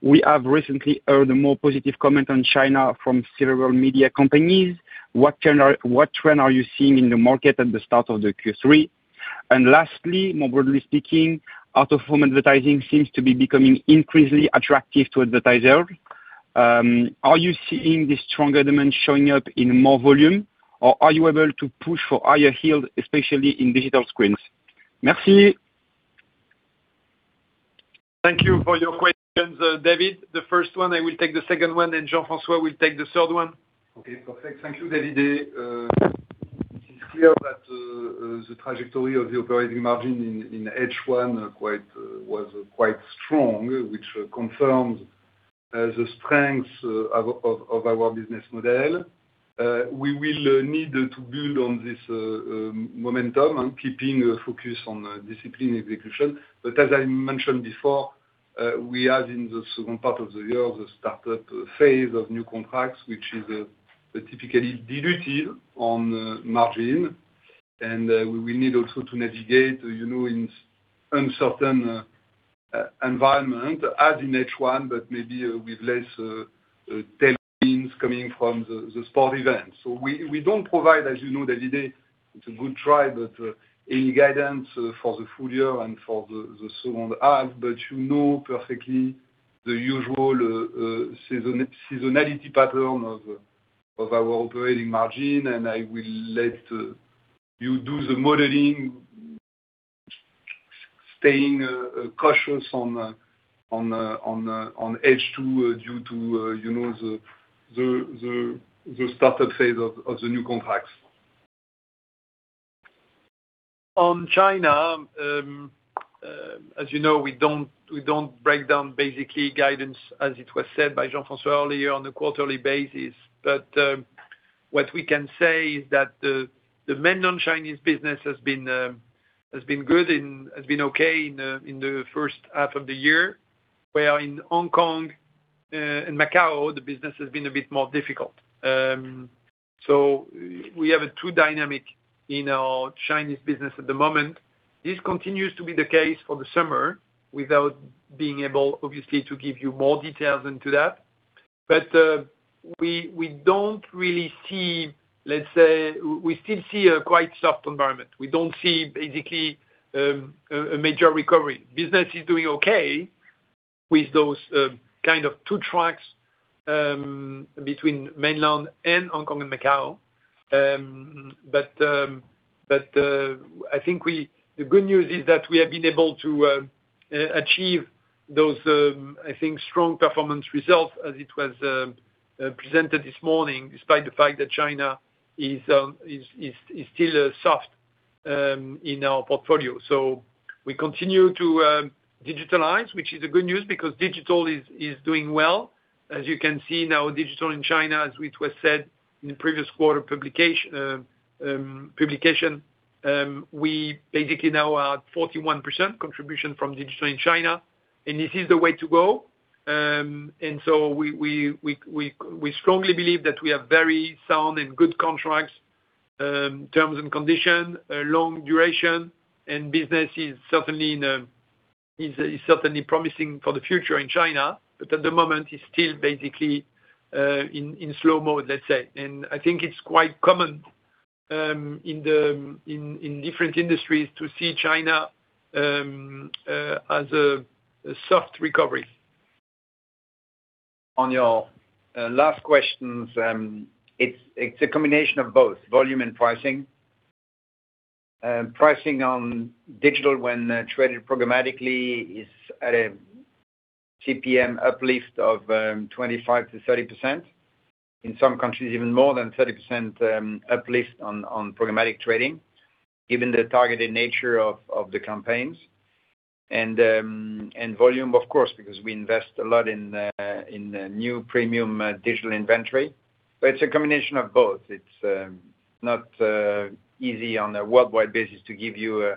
We have recently heard a more positive comment on China from several media companies. What trend are you seeing in the market at the start of the Q3? Lastly, more broadly speaking, out-of-home advertising seems to be becoming increasingly attractive to advertisers. Are you seeing this stronger demand showing up in more volume, or are you able to push for higher yield, especially in digital screens? Merci. Thank you for your questions, Davide. The first one, I will take the second one, Jean-François will take the third one. Okay, perfect. Thank you, David. It's clear that the trajectory of the operating margin in H1 was quite strong, which confirms the strength of our business model. We will need to build on this momentum and keeping a focus on discipline execution. As I mentioned before, we have in the second part of the year, the startup phase of new contracts, which is specifically dilutive on margin. We will need also to navigate in uncertain environment as in H1, but maybe with less tailwinds coming from the sport events. We don't provide, as you know, David, it's a good try, but any guidance for the full year and for the second half. You know perfectly the usual seasonality pattern of our operating margin, and I will let you do the modeling, staying cautious on H2 due to the startup phase of the new contracts. On China, as you know, we don't break down basically guidance as it was said by Jean-François earlier on a quarterly basis. What we can say is that the mainland Chinese business has been okay in the first half of the year, where in Hong Kong and Macau, the business has been a bit more difficult. We have a two dynamic in our Chinese business at the moment. This continues to be the case for the summer without being able, obviously, to give you more details into that. We still see a quite soft environment. We don't see basically a major recovery. Business is doing okay with those kind of two tracks between mainland and Hong Kong and Macau. The good news is that we have been able to achieve those, I think, strong performance results as it was presented this morning, despite the fact that China is still soft in our portfolio. We continue to digitalize, which is a good news because digital is doing well. As you can see now, digital in China, as it was said in the previous quarter publication, we basically now are at 41% contribution from digital in China, and this is the way to go. We strongly believe that we have very sound and good contracts, terms and condition, long duration and business is certainly promising for the future in China. At the moment it's still basically in slow mode, let's say. I think it's quite common in different industries to see China as a soft recovery. On your last questions, it's a combination of both volume and pricing. Pricing on digital when traded programmatically is at a CPM uplift of 25% to 30%. In some countries, even more than 30% uplift on programmatic trading, given the targeted nature of the campaigns. Volume, of course, because we invest a lot in new premium digital inventory. It's a combination of both. It's not easy on a worldwide basis to give you a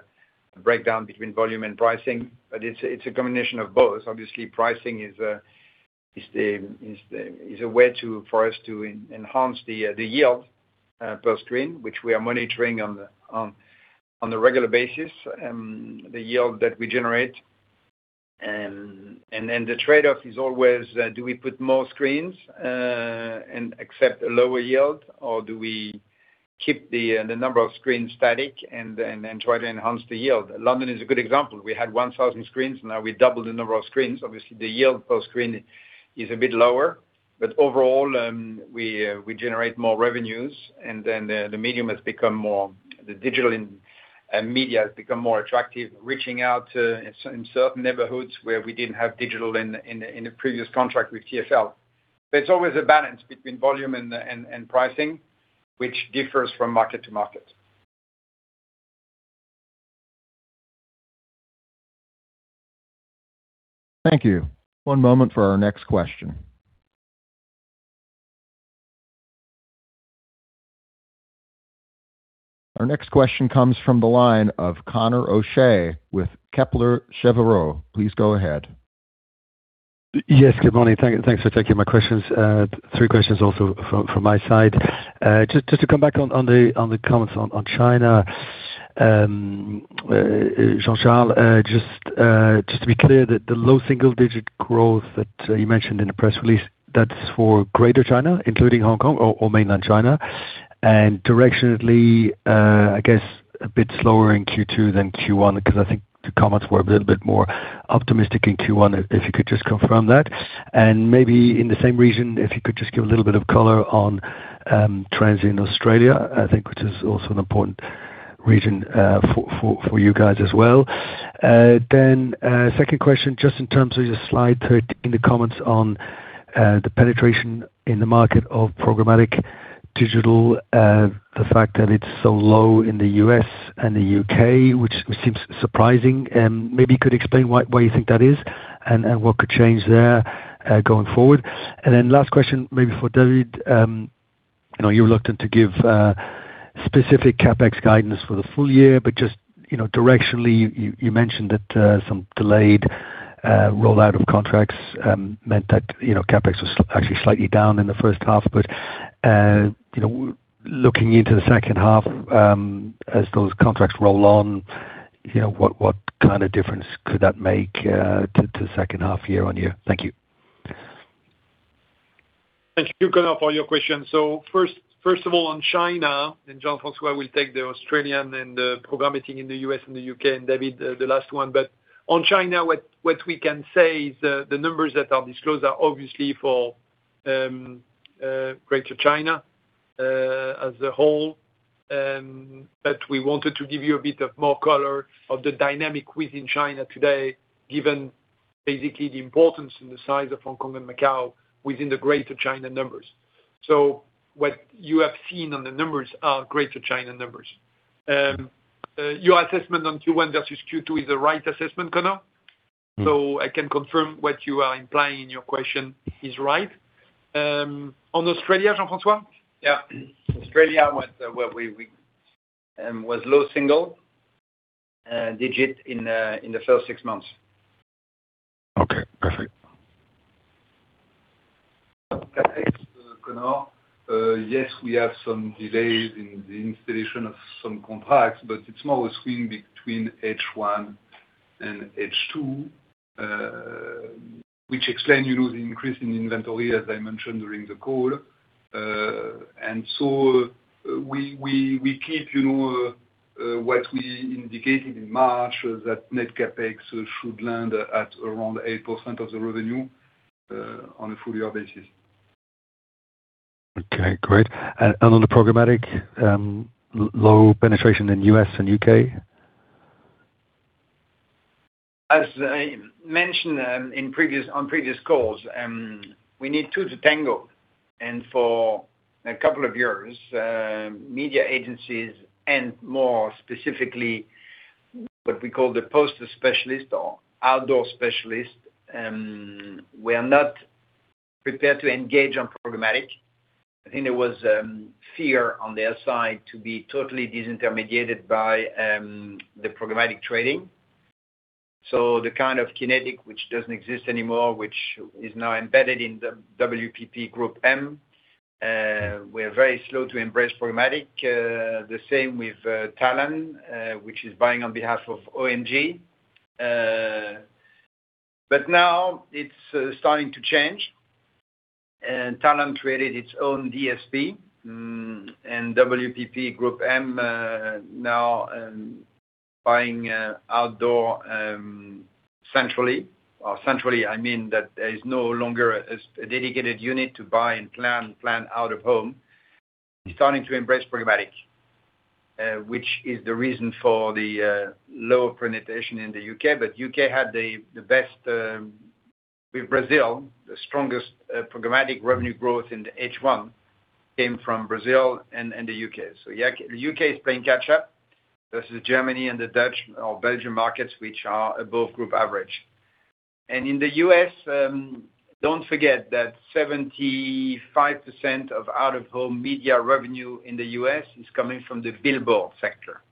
breakdown between volume and pricing, but it's a combination of both. Obviously, pricing is a way for us to enhance the yield per screen, which we are monitoring on a regular basis, the yield that we generate. Then the trade-off is always, do we put more screens and accept a lower yield, or do we keep the number of screens static and try to enhance the yield? London is a good example. We had 1,000 screens. Now we doubled the number of screens. Obviously, the yield per screen is a bit lower. Overall, we generate more revenues, and then the digital media has become more attractive, reaching out to in certain neighborhoods where we didn't have digital in the previous contract with TfL. It's always a balance between volume and pricing, which differs from market to market. Thank you. One moment for our next question. Our next question comes from the line of Conor O'Shea with Kepler Cheuvreux. Please go ahead. Yes, good morning. Thanks for taking my questions. Three questions also from my side. Just to come back on the comments on China. Jean-Charles, just to be clear that the low single digit growth that you mentioned in the press release, that's for Greater China, including Hong Kong or Mainland China. Directionally, I guess a bit slower in Q2 than Q1, because I think the comments were a little bit more optimistic in Q1, if you could just confirm that. Maybe in the same region, if you could just give a little bit of color on trends in Australia, I think which is also an important region for you guys as well. Second question, just in terms of your slide 13, the comments on the penetration in the market of programmatic digital, the fact that it's so low in the U.S. and the U.K., which seems surprising. Maybe you could explain why you think that is and what could change there going forward. Last question, maybe for David. You're reluctant to give specific CapEx guidance for the full year, but just directionally, you mentioned that some delayed rollout of contracts meant that CapEx was actually slightly down in the first half. Looking into the second half as those contracts roll on, what kind of difference could that make to the second half year-on-year? Thank you. Thank you, Conor, for your question. First of all, on China. Jean-François will take the Australian and the programmatic in the U.S. and the U.K., David, the last one. On China, what we can say is the numbers that are disclosed are obviously for Greater China as a whole. We wanted to give you a bit of more color of the dynamic within China today, given basically the importance and the size of Hong Kong and Macau within the Greater China numbers. What you have seen on the numbers are Greater China numbers. Your assessment on Q1 versus Q2 is the right assessment, Conor. I can confirm what you are implying in your question is right. On Australia, Jean-François? Yeah. Australia was low single digit in the first six months. Okay, perfect. Okay. Conor, yes, we have some delays in the installation of some contracts, but it's more a swing between H1 and H2, which explain the increase in inventory, as I mentioned during the call. We keep what we indicated in March, that net CapEx should land at around 8% of the revenue on a full year basis. Okay, great. On the programmatic, low penetration in U.S. and U.K. As I mentioned on previous calls, we need to detangle. For a couple of years, media agencies and more specifically what we call the poster specialist or outdoor specialist, were not prepared to engage on programmatic. I think there was fear on their side to be totally disintermediated by the programmatic trading. The kind of Kinetic which doesn't exist anymore, which is now embedded in the WPP GroupM, were very slow to embrace programmatic. The same with Talon, which is buying on behalf of OMG. But now it's starting to change, and Talon created its own DSP. WPP GroupM now buying outdoor centrally. Centrally, I mean that there is no longer a dedicated unit to buy and plan out of home. Starting to embrace programmatic, which is the reason for the low penetration in the U.K. U.K. had the best with Brazil, the strongest programmatic revenue growth in the H1 came from Brazil and the U.K. The U.K. is playing catch up versus Germany and the Dutch or Belgium markets, which are above group average. In the U.S., don't forget that 75% of out-of-home media revenue in the U.S. is coming from the billboard sector.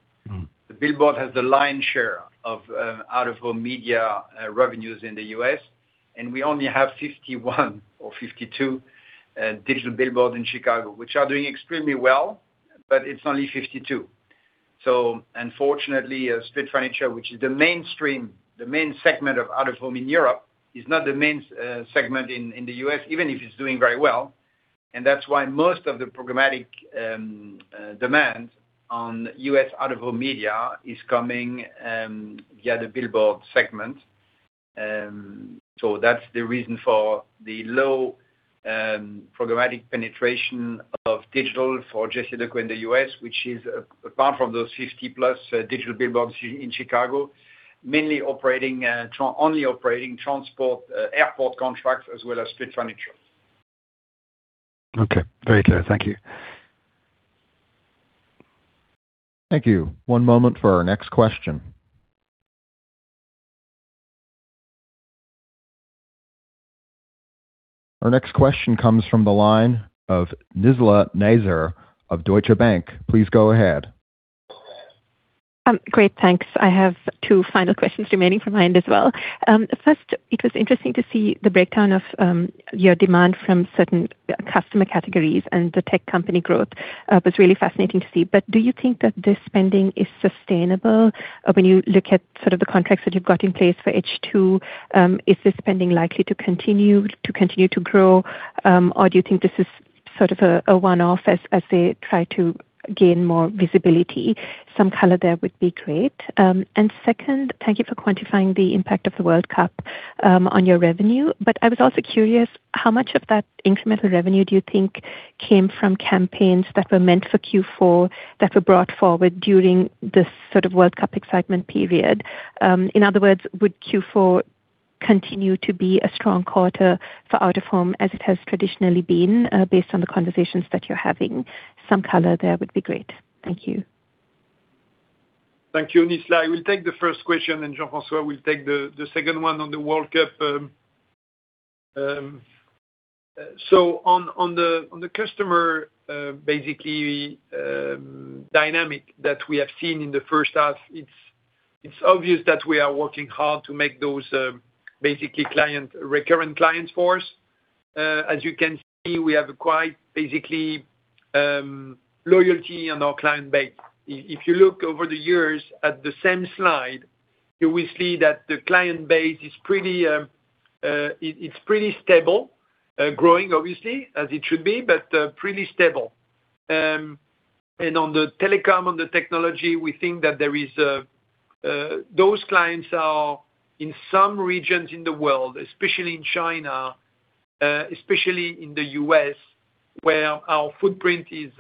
The billboard has the lion's share of out-of-home media revenues in the U.S., and we only have 51 or 52 digital billboards in Chicago, which are doing extremely well, but it's only 52. Unfortunately, street furniture, which is the mainstream, the main segment of out-of-home in Europe, is not the main segment in the U.S., even if it's doing very well. That's why most of the programmatic demand on U.S. out-of-home media is coming via the billboard segment. That's the reason for the low programmatic penetration of digital for JCDecaux in the U.S., which is, apart from those 50 plus digital billboards in Chicago, only operating transport airport contracts as well as street furniture. Okay, very clear. Thank you. Thank you. One moment for our next question. Our next question comes from the line of Nizla Naizer of Deutsche Bank. Please go ahead. Great, thanks. I have two final questions remaining from mine as well. First, it was interesting to see the breakdown of your demand from certain customer categories and the tech company growth. It was really fascinating to see. Do you think that this spending is sustainable when you look at sort of the contracts that you've got in place for H2? Is the spending likely to continue to grow, or do you think this is sort of a one-off as they try to gain more visibility? Some color there would be great. Second, thank you for quantifying the impact of the World Cup on your revenue. I was also curious, how much of that incremental revenue do you think came from campaigns that were meant for Q4, that were brought forward during this sort of World Cup excitement period? In other words, would Q4 continue to be a strong quarter for out-of-home as it has traditionally been? Based on the conversations that you're having, some color there would be great. Thank you. Thank you, Nizla. I will take the first question, and Jean-François will take the second one on the World Cup. On the customer dynamic that we have seen in the first half, it is obvious that we are working hard to make those recurrent clients for us. As you can see, we have quite loyalty on our client base. If you look over the years at the same slide, you will see that the client base, it is pretty stable. Growing obviously, as it should be, but pretty stable. On the telecom, on the technology, we think that those clients are in some regions in the world, especially in China, especially in the U.S., where our footprint is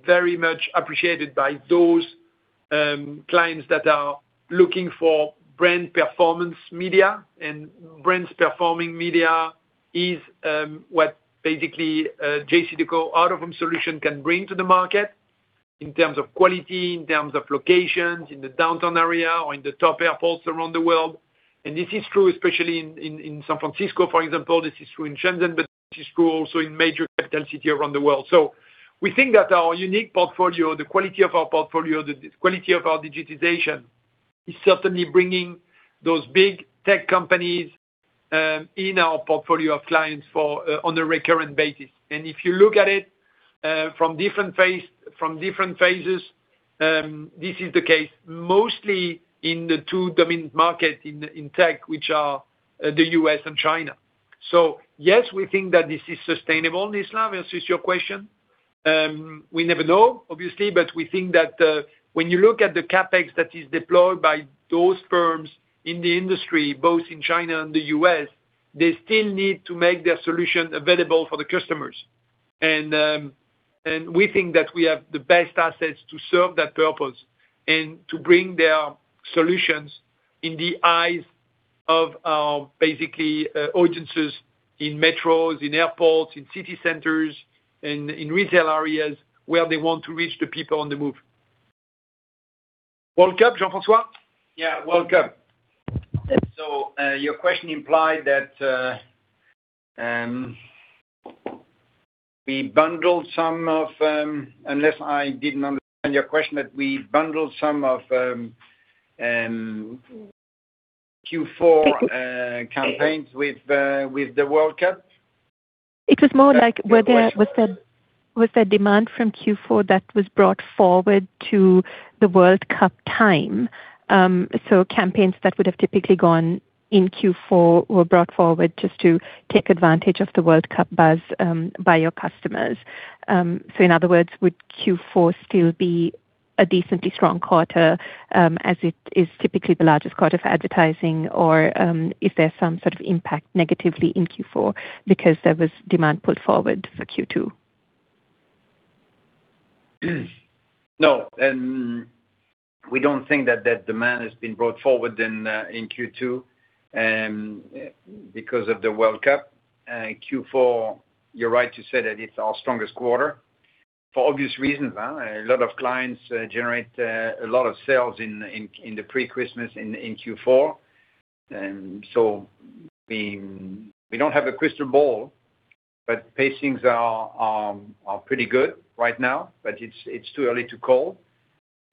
very much appreciated by those clients that are looking for brand performance media. Brands performing media is what JCDecaux out-of-home solution can bring to the market in terms of quality, in terms of locations in the downtown area or in the top airports around the world. This is true especially in San Francisco, for example. This is true in Shenzhen, but this is true also in major capital city around the world. We think that our unique portfolio, the quality of our portfolio, the quality of our digitization, is certainly bringing those big tech companies in our portfolio of clients on a recurrent basis. If you look at it from different phases, this is the case mostly in the two dominant markets in tech, which are the U.S. and China. Yes, we think that this is sustainable, Nizla, to answer your question. We never know, obviously, but we think that when you look at the CapEx that is deployed by those firms in the industry, both in China and the U.S., they still need to make their solution available for the customers. We think that we have the best assets to serve that purpose and to bring their solutions in the eyes of our audiences in metros, in airports, in city centers, and in retail areas where they want to reach the people on the move. World Cup, Jean-François? World Cup. Your question implied that we bundled, unless I didn't understand your question, that we bundled some of Q4 campaigns with the World Cup? It was more like was there demand from Q4 that was brought forward to the World Cup time? Campaigns that would have typically gone in Q4 were brought forward just to take advantage of the World Cup buzz by your customers. In other words, would Q4 still be a decently strong quarter, as it is typically the largest quarter for advertising, or is there some sort of impact negatively in Q4 because there was demand pulled forward for Q2? No, we don't think that demand has been brought forward in Q2 because of the World Cup. Q4, you're right to say that it's our strongest quarter for obvious reasons. A lot of clients generate a lot of sales in the pre-Christmas in Q4. We don't have a crystal ball, but pacings are pretty good right now. It's too early to call,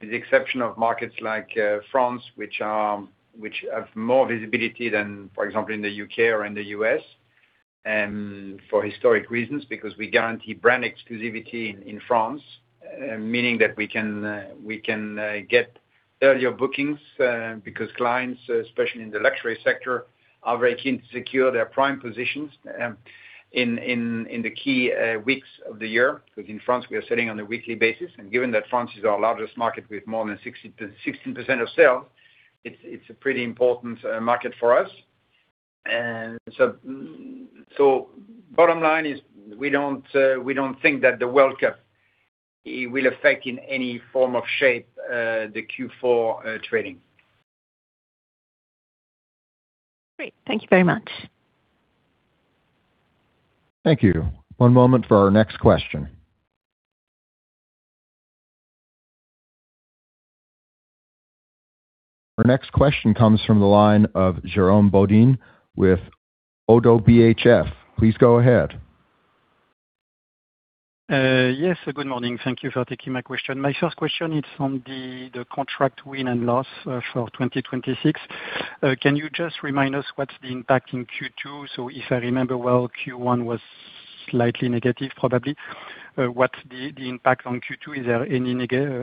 with the exception of markets like France, which have more visibility than, for example, in the U.K. or in the U.S., for historic reasons, because we guarantee brand exclusivity in France, meaning that we can get earlier bookings because clients, especially in the luxury sector, are very keen to secure their prime positions in the key weeks of the year, because in France we are selling on a weekly basis. Given that France is our largest market with more than 16% of sales, it's a pretty important market for us. Bottom line is we don't think that the World Cup will affect in any form of shape the Q4 trading. Great. Thank you very much. Thank you. One moment for our next question. Our next question comes from the line of Jérôme Bodin with Oddo BHF. Please go ahead. Yes. Good morning. Thank you for taking my question. My first question is on the contract win and loss for 2026. Can you just remind us what's the impact in Q2? If I remember well, Q1 was slightly negative probably. What's the impact on Q2? Is there any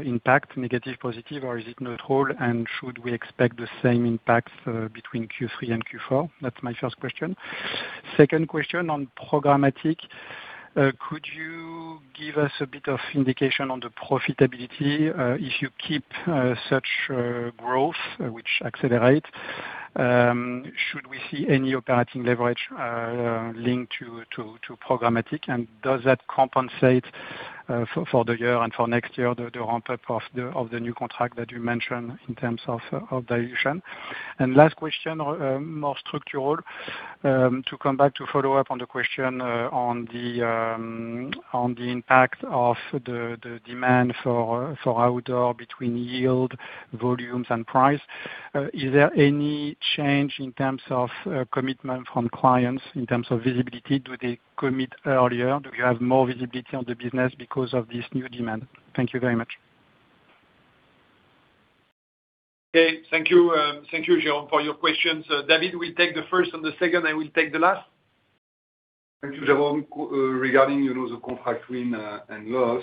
impact, negative, positive, or is it not whole and should we expect the same impacts between Q3 and Q4? That's my first question. Second question on programmatic. Could you give us a bit of indication on the profitability if you keep such growth which accelerate, should we see any operating leverage linked to programmatic, and does that compensate for the year and for next year, the ramp-up of the new contract that you mentioned in terms of dilution? And last question, more structural. To come back to follow up on the question on the impact of the demand for outdoor between yield, volumes and price. Is there any change in terms of commitment from clients in terms of visibility? Do they commit earlier? Do you have more visibility on the business because of this new demand? Thank you very much. Okay. Thank you, Jérôme, for your questions. David will take the first and the second. I will take the last. Thank you, Jérôme. Regarding the contract win and loss,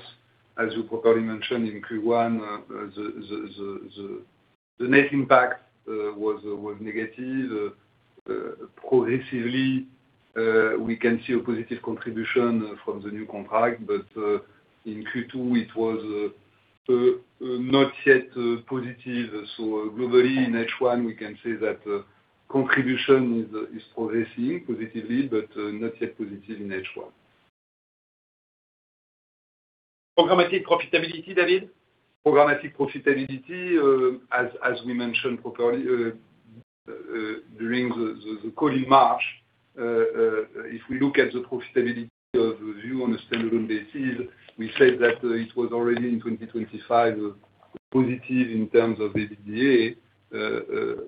as you probably mentioned in Q1, the net impact was negative. Progressively, we can see a positive contribution from the new contract, but in Q2 it was not yet positive. Globally in H1, we can say that contribution is progressing positively, but not yet positive in H1. Programmatic profitability, David? Programmatic profitability, as we mentioned properly during the call in March, if we look at the profitability of VIOOH on a standalone basis, we said that it was already in 2025 positive in terms of the EBITDA.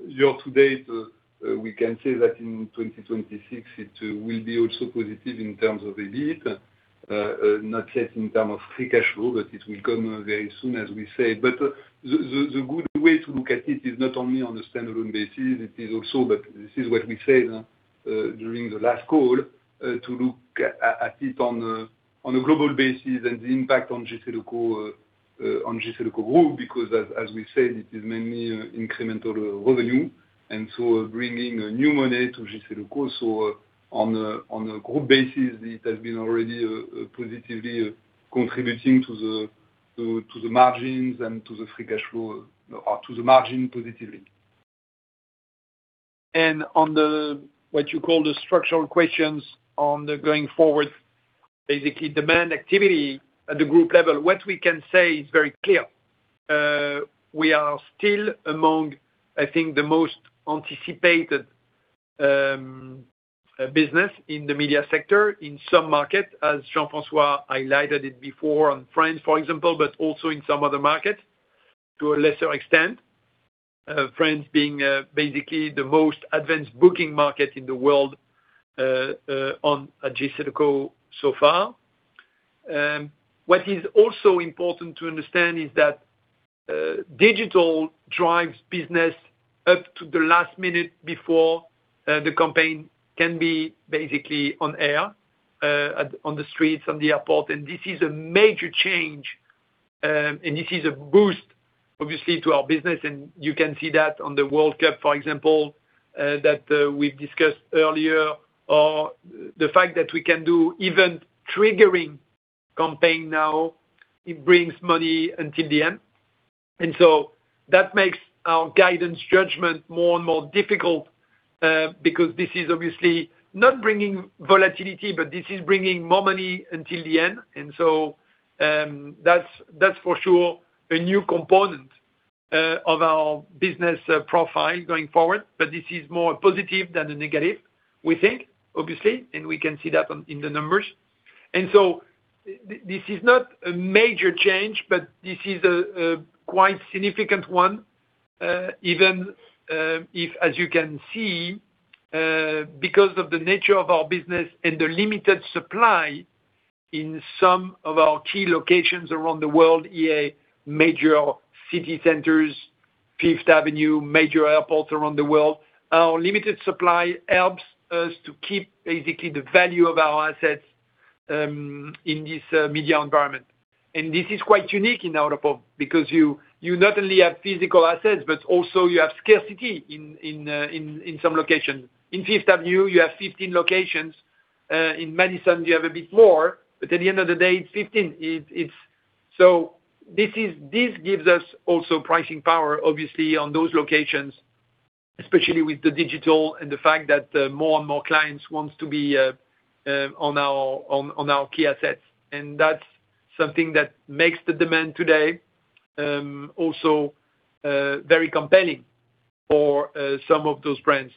Year to date, we can say that in 2026 it will be also positive in terms of EBIT. Not yet in term of free cash flow, but it will come very soon, as we said. The good way to look at it is not only on a standalone basis, it is also that this is what we said during the last call, to look at it on a global basis and the impact on JCDecaux Group, because as we said, it is mainly incremental revenue and bringing new money to JCDecaux. On a group basis, it has been already positively contributing to the margins and to the free cash flow, or to the margin positively. On what you call the structural questions on the going forward, basically demand activity at the group level. What we can say is very clear. We are still among, I think, the most anticipated business in the media sector in some markets, as Jean-François highlighted it before on France, for example, but also in some other markets to a lesser extent. France being basically the most advanced booking market in the world on JCDecaux so far. What is also important to understand is that digital drives business up to the last minute before the campaign can be basically on air, on the streets, on the airport. This is a major change, and this is a boost, obviously, to our business. You can see that on the World Cup, for example, that we've discussed earlier, or the fact that we can do even triggering campaign now, it brings money until the end. That makes our guidance judgment more and more difficult, because this is obviously not bringing volatility, but this is bringing more money until the end. That's for sure a new component of our business profile going forward. This is more positive than the negative, we think, obviously. We can see that in the numbers. This is not a major change, but this is a quite significant one. Even if, as you can see, because of the nature of our business and the limited supply in some of our key locations around the world, e.g., major city centers, Fifth Avenue, major airports around the world. Our limited supply helps us to keep basically the value of our assets in this media environment. This is quite unique in Out-of-Home because you not only have physical assets, but also you have scarcity in some locations. In Fifth Avenue, you have 15 locations. In Madison, you have a bit more. At the end of the day, it's 15. This gives us also pricing power, obviously, on those locations, especially with the digital and the fact that more and more clients wants to be on our key assets. That's something that makes the demand today, also very compelling for some of those brands.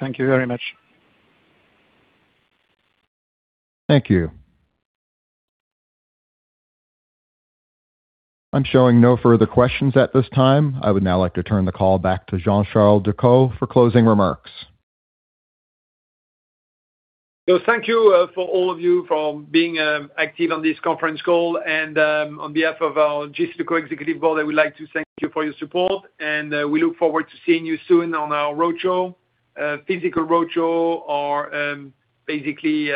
Thank you very much. Thank you. I am showing no further questions at this time. I would now like to turn the call back to Jean-Charles Decaux for closing remarks. Thank you for all of you for being active on this conference call, and on behalf of our JCDecaux Executive Board, I would like to thank you for your support, and we look forward to seeing you soon on our roadshow, physical roadshow or basically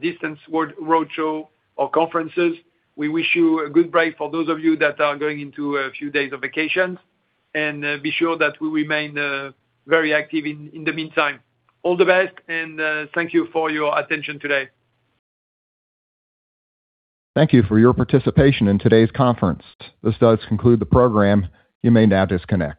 distance roadshow or conferences. We wish you a good break for those of you that are going into a few days of vacations. Be sure that we remain very active in the meantime. All the best, and thank you for your attention today. Thank you for your participation in today's conference. This does conclude the program. You may now disconnect.